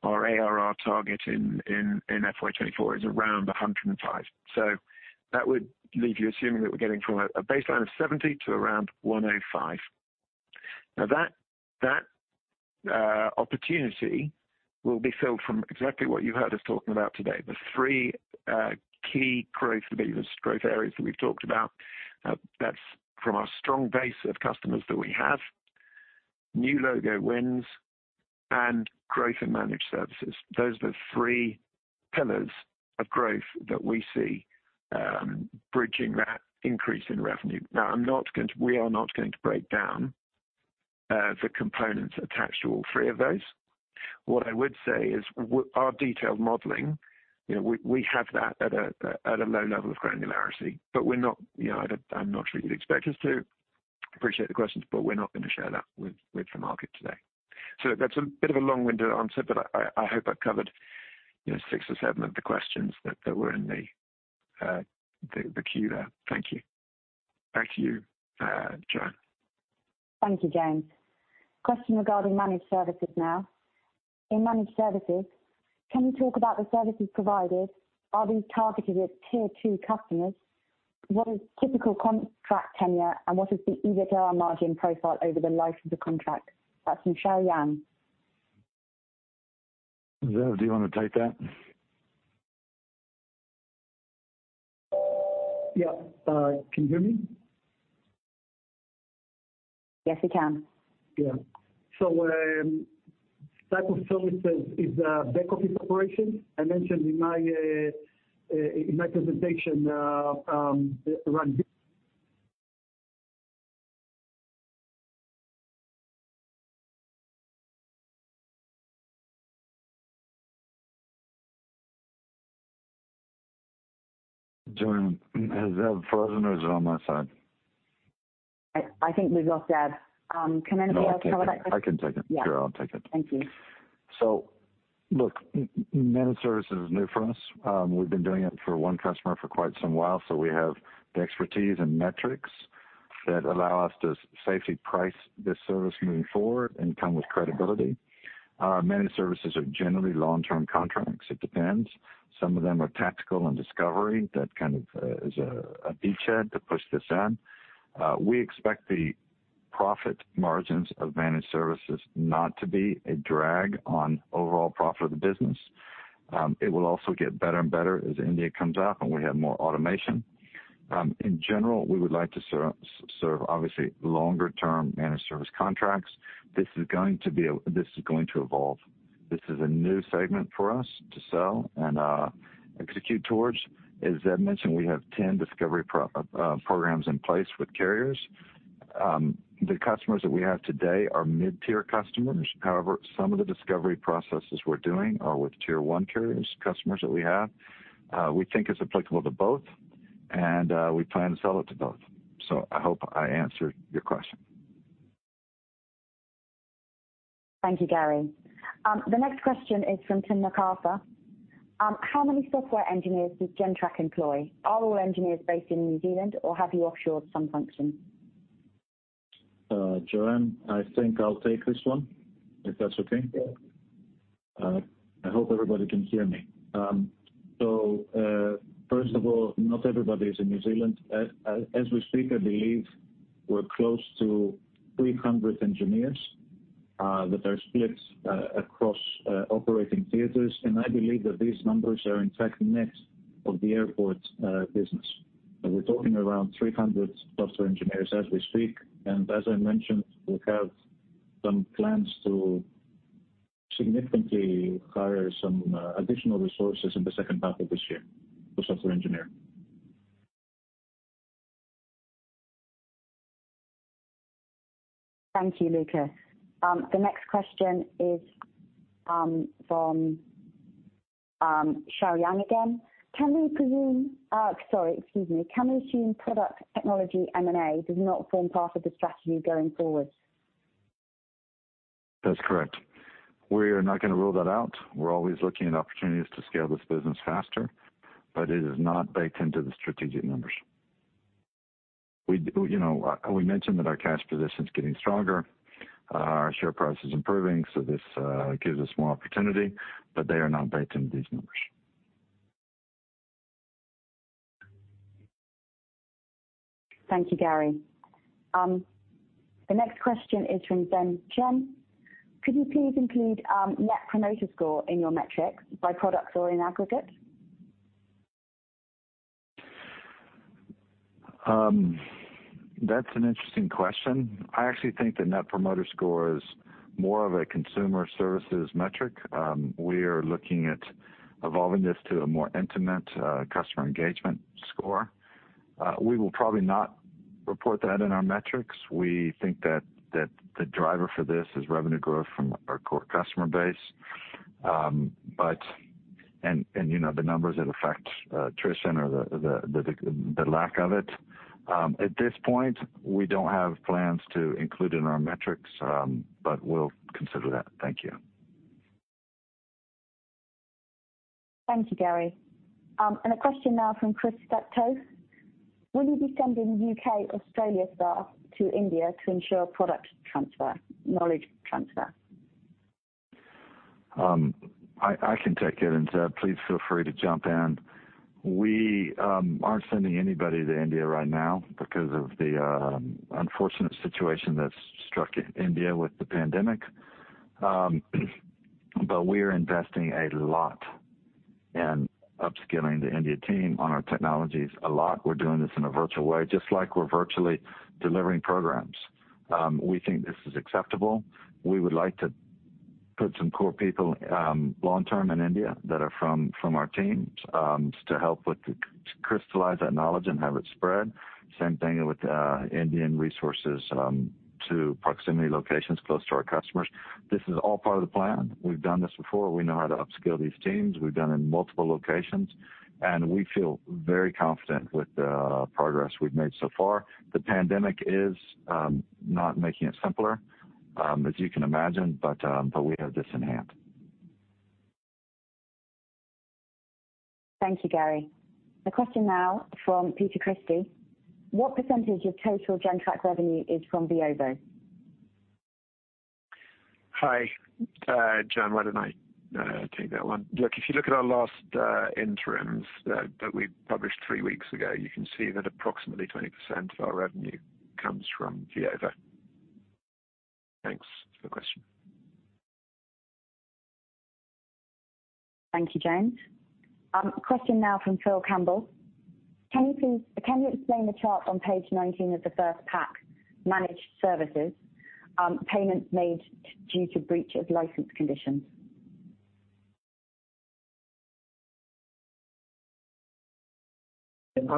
[SPEAKER 9] ARR target in FY 2024 is around 105. That would leave you assuming that we're getting from a baseline of 70 to around 105. That opportunity will be filled from exactly what you heard us talking about today. The THREE key growth areas that we talked about, that's from our strong base of customers that we have, new logo wins, and growth in managed services. Those are the three pillars of growth that we see bridging that increase in revenue. We are not going to break down the components attached to all three of those. What I would say is our detailed modeling, we have that at a low level of granularity. I'm not sure you'd expect us to appreciate the questions, but we're not going to share that with the market today. That's a bit of a long-winded answer, but I hope I've covered six or seven of the questions that were in the queue there. Thank you.
[SPEAKER 6] Thank you, James. Question regarding managed services now. In managed services, can you talk about the services provided? Are these targeted at tier 2 customers? What is the typical contract tenure, and what is the EBITDA margin profile over the life of the contract? That's from Xiao Yang.
[SPEAKER 2] Zeev, do you want to take that?
[SPEAKER 4] Yeah. Can you hear me?
[SPEAKER 6] Yes, we can.
[SPEAKER 4] Good. Type of services is a back-office operation. I mentioned in my presentation around.
[SPEAKER 2] Is that frozen or is it on my side?
[SPEAKER 6] I think we lost Zeev.
[SPEAKER 2] No, I can take it. Sure, I'll take it.
[SPEAKER 6] Yeah. Thank you.
[SPEAKER 2] Look, managed service is new for us. We've been doing it for one customer for quite some while, so we have the expertise and metrics that allow us to safely price this service moving forward and come with credibility. Managed services are generally long-term contracts. It depends. Some of them are tactical and discovery. That kind of is a beachhead to push this in. We expect the profit margins of managed services not to be a drag on overall profit of the business. It will also get better and better as India comes up and we have more automation. In general, we would like to serve, obviously, longer-term managed service contracts. This is going to evolve. This is a new segment for us to sell and execute towards. As Zeev mentioned, we have 10 discovery programs in place with carriers. The customers that we have today are mid-tier customers. Some of the discovery processes we're doing are with tier 1 carriers customers that we have. We think it's applicable to both, and we plan to sell it to both. I hope I answered your question.
[SPEAKER 6] Thank you, Gary. The next question is from Tim MacArthur. How many software engineers does Gentrack employ? Are all engineers based in New Zealand or have you offshored some function?
[SPEAKER 3] Joanne, I think I'll take this one, if that's okay.
[SPEAKER 6] Yeah.
[SPEAKER 3] I hope everybody can hear me. First of all, not everybody is in New Zealand. As we speak, I believe we're close to 300 engineers that are split across operating theaters, and I believe that these numbers are in fact net of the airport business. We're talking around 300 plus engineers as we speak. As I mentioned, we have some plans to significantly hire some additional resources in the second half of this year for software engineer.
[SPEAKER 6] Thank you, Loukas. The next question is from Xiao Yang again. Can we presume product technology M&A does not form part of the strategy going forward?
[SPEAKER 2] That's correct. We are not going to rule that out. We are always looking at opportunities to scale this business faster, but it is not baked into the strategic numbers. We mentioned that our cash position is getting stronger, our share price is improving, so this gives us more opportunity, but they are not baked into these numbers.
[SPEAKER 6] Thank you, Gary. The next question is from Ben Chung. Could you please include Net Promoter Score in your metric by product or in aggregate?
[SPEAKER 2] That's an interesting question. I actually think the Net Promoter Score is more of a consumer services metric. We are looking at evolving this to a more intimate customer engagement score. We will probably not report that in our metrics. We think that the driver for this is revenue growth from our core customer base. The numbers that affect attrition or the lack of it. At this point, we don't have plans to include it in our metrics, but we'll consider that. Thank you.
[SPEAKER 6] Thank you, Gary. A question now from Chris Vaktos. Will you be sending U.K., Australia staff to India to ensure product transfer, knowledge transfer?
[SPEAKER 2] I can take it. Zeev, please feel free to jump in. We aren't sending anybody to India right now because of the unfortunate situation that's struck India with the pandemic. We are investing a lot in upskilling the India team on our technologies a lot. We're doing this in a virtual way, just like we're virtually delivering programs. We think this is acceptable. We would like to put some core people long-term in India that are from our teams to help crystallize that knowledge and have it spread. Same thing with Indian resources to proximity locations close to our customers. This is all part of the plan. We've done this before. We know how to upscale these teams. We've done it in multiple locations, and we feel very confident with the progress we've made so far. The pandemic is not making it simpler, as you can imagine, but we have this in hand.
[SPEAKER 6] Thank you, Gary. A question now from Peter Christie. What percentage of total Gentrack revenue is from Veovo?
[SPEAKER 9] Hi, Joanne. Why don't I take that one? Look, if you look at our last interims that we published three weeks ago, you can see that approximately 20% of our revenue comes from Veovo. Thanks for the question.
[SPEAKER 6] Thank you, James. A question now from Phil Campbell. Can you explain the chart on page 19 of the first pack, managed services, payments made due to breach of license conditions?
[SPEAKER 4] Yeah.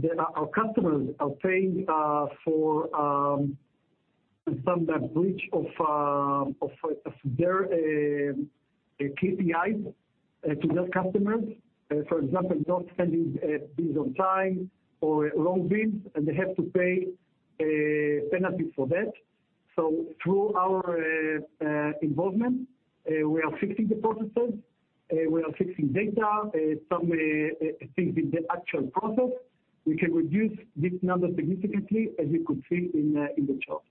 [SPEAKER 4] There are customers paying for some breach of their KPI to their customers. For example, not sending bills on time or wrong bills, they have to pay a penalty for that. Through our involvement, we are fixing the processes, we are fixing data, some things in the actual process, we can reduce this number significantly, as you could see in the chart.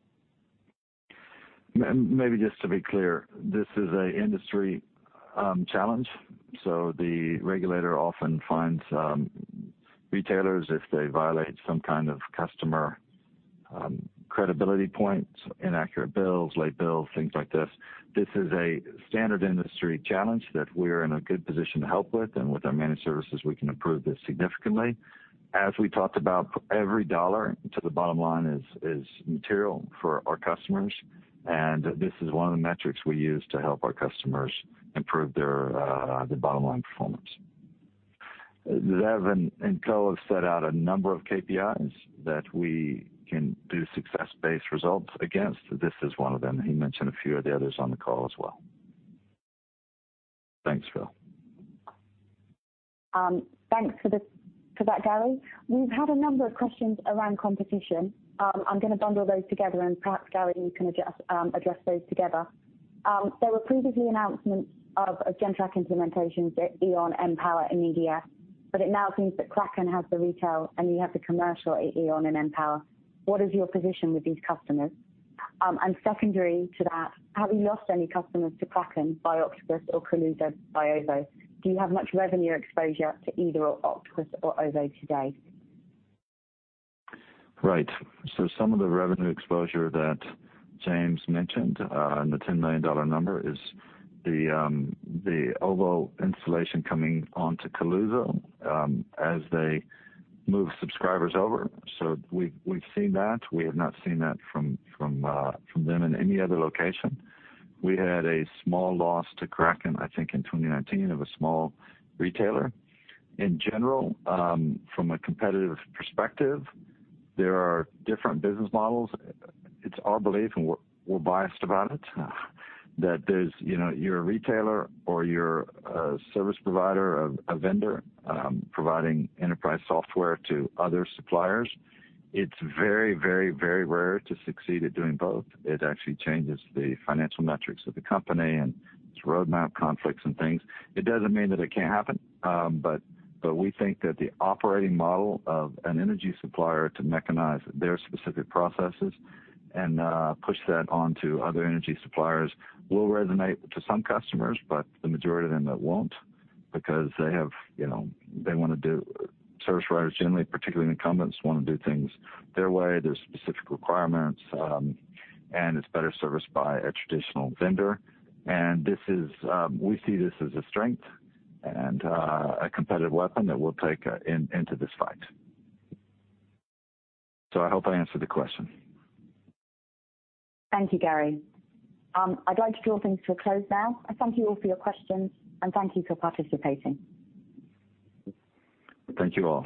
[SPEAKER 2] Maybe just to be clear, this is an industry challenge. The regulator often fines retailers if they violate some kind of customer credibility points, inaccurate bills, late bills, things like this. This is a standard industry challenge that we're in a good position to help with, and with our managed services, we can improve this significantly. As we talked about, every dollar to the bottom line is material for our customers, and this is one of the metrics we use to help our customers improve their bottom-line performance. Zeev and co have set out a number of KPIs that we can do success-based results against. This is 1 of them. He mentioned a few of the others on the call as well. Thanks, Phil.
[SPEAKER 6] Thanks for that, Gary. We've had a number of questions around competition. I'm going to bundle those together, and perhaps, Gary, you can address those together. There were previously announcements of Gentrack implementations at E.ON, npower, and EDF, but it now seems that Kraken has the retail and you have the commercial at E.ON and npower. What is your position with these customers? Secondary to that, have you lost any customers to Kraken by Octopus or currently by Veovo? Do you have much revenue exposure to either Octopus or Veovo today?
[SPEAKER 2] Right. Some of the revenue exposure that James mentioned in the 10 million dollar number is the Veovo installation coming onto Kaluza as they move subscribers over. We've seen that. We have not seen that from them in any other location. We had a small loss to Kraken, I think, in 2019 of a small retailer. In general, from a competitive perspective, there are different business models. It's our belief, and we're biased about it, that you're a retailer or you're a service provider, a vendor providing enterprise software to other suppliers. It's very rare to succeed at doing both. It actually changes the financial metrics of the company, and it's roadmap conflicts and things. It doesn't mean that it can't happen. We think that the operating model of an energy supplier to mechanize their specific processes and push that onto other energy suppliers will resonate to some customers, but the majority of them it won't, because service providers, generally, particularly incumbents, want to do things their way. There are specific requirements, and it's better serviced by a traditional vendor. We see this as a strength and a competitive weapon that we'll take into this fight. I hope I answered the question.
[SPEAKER 6] Thank you, Gary. I'd like to open for a close now. I thank you all for your questions and thank you for participating.
[SPEAKER 2] Thank you all.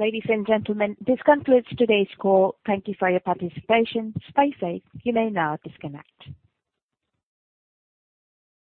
[SPEAKER 1] Ladies and gentlemen, this concludes today's call. Thank you for your participation. You may now disconnect.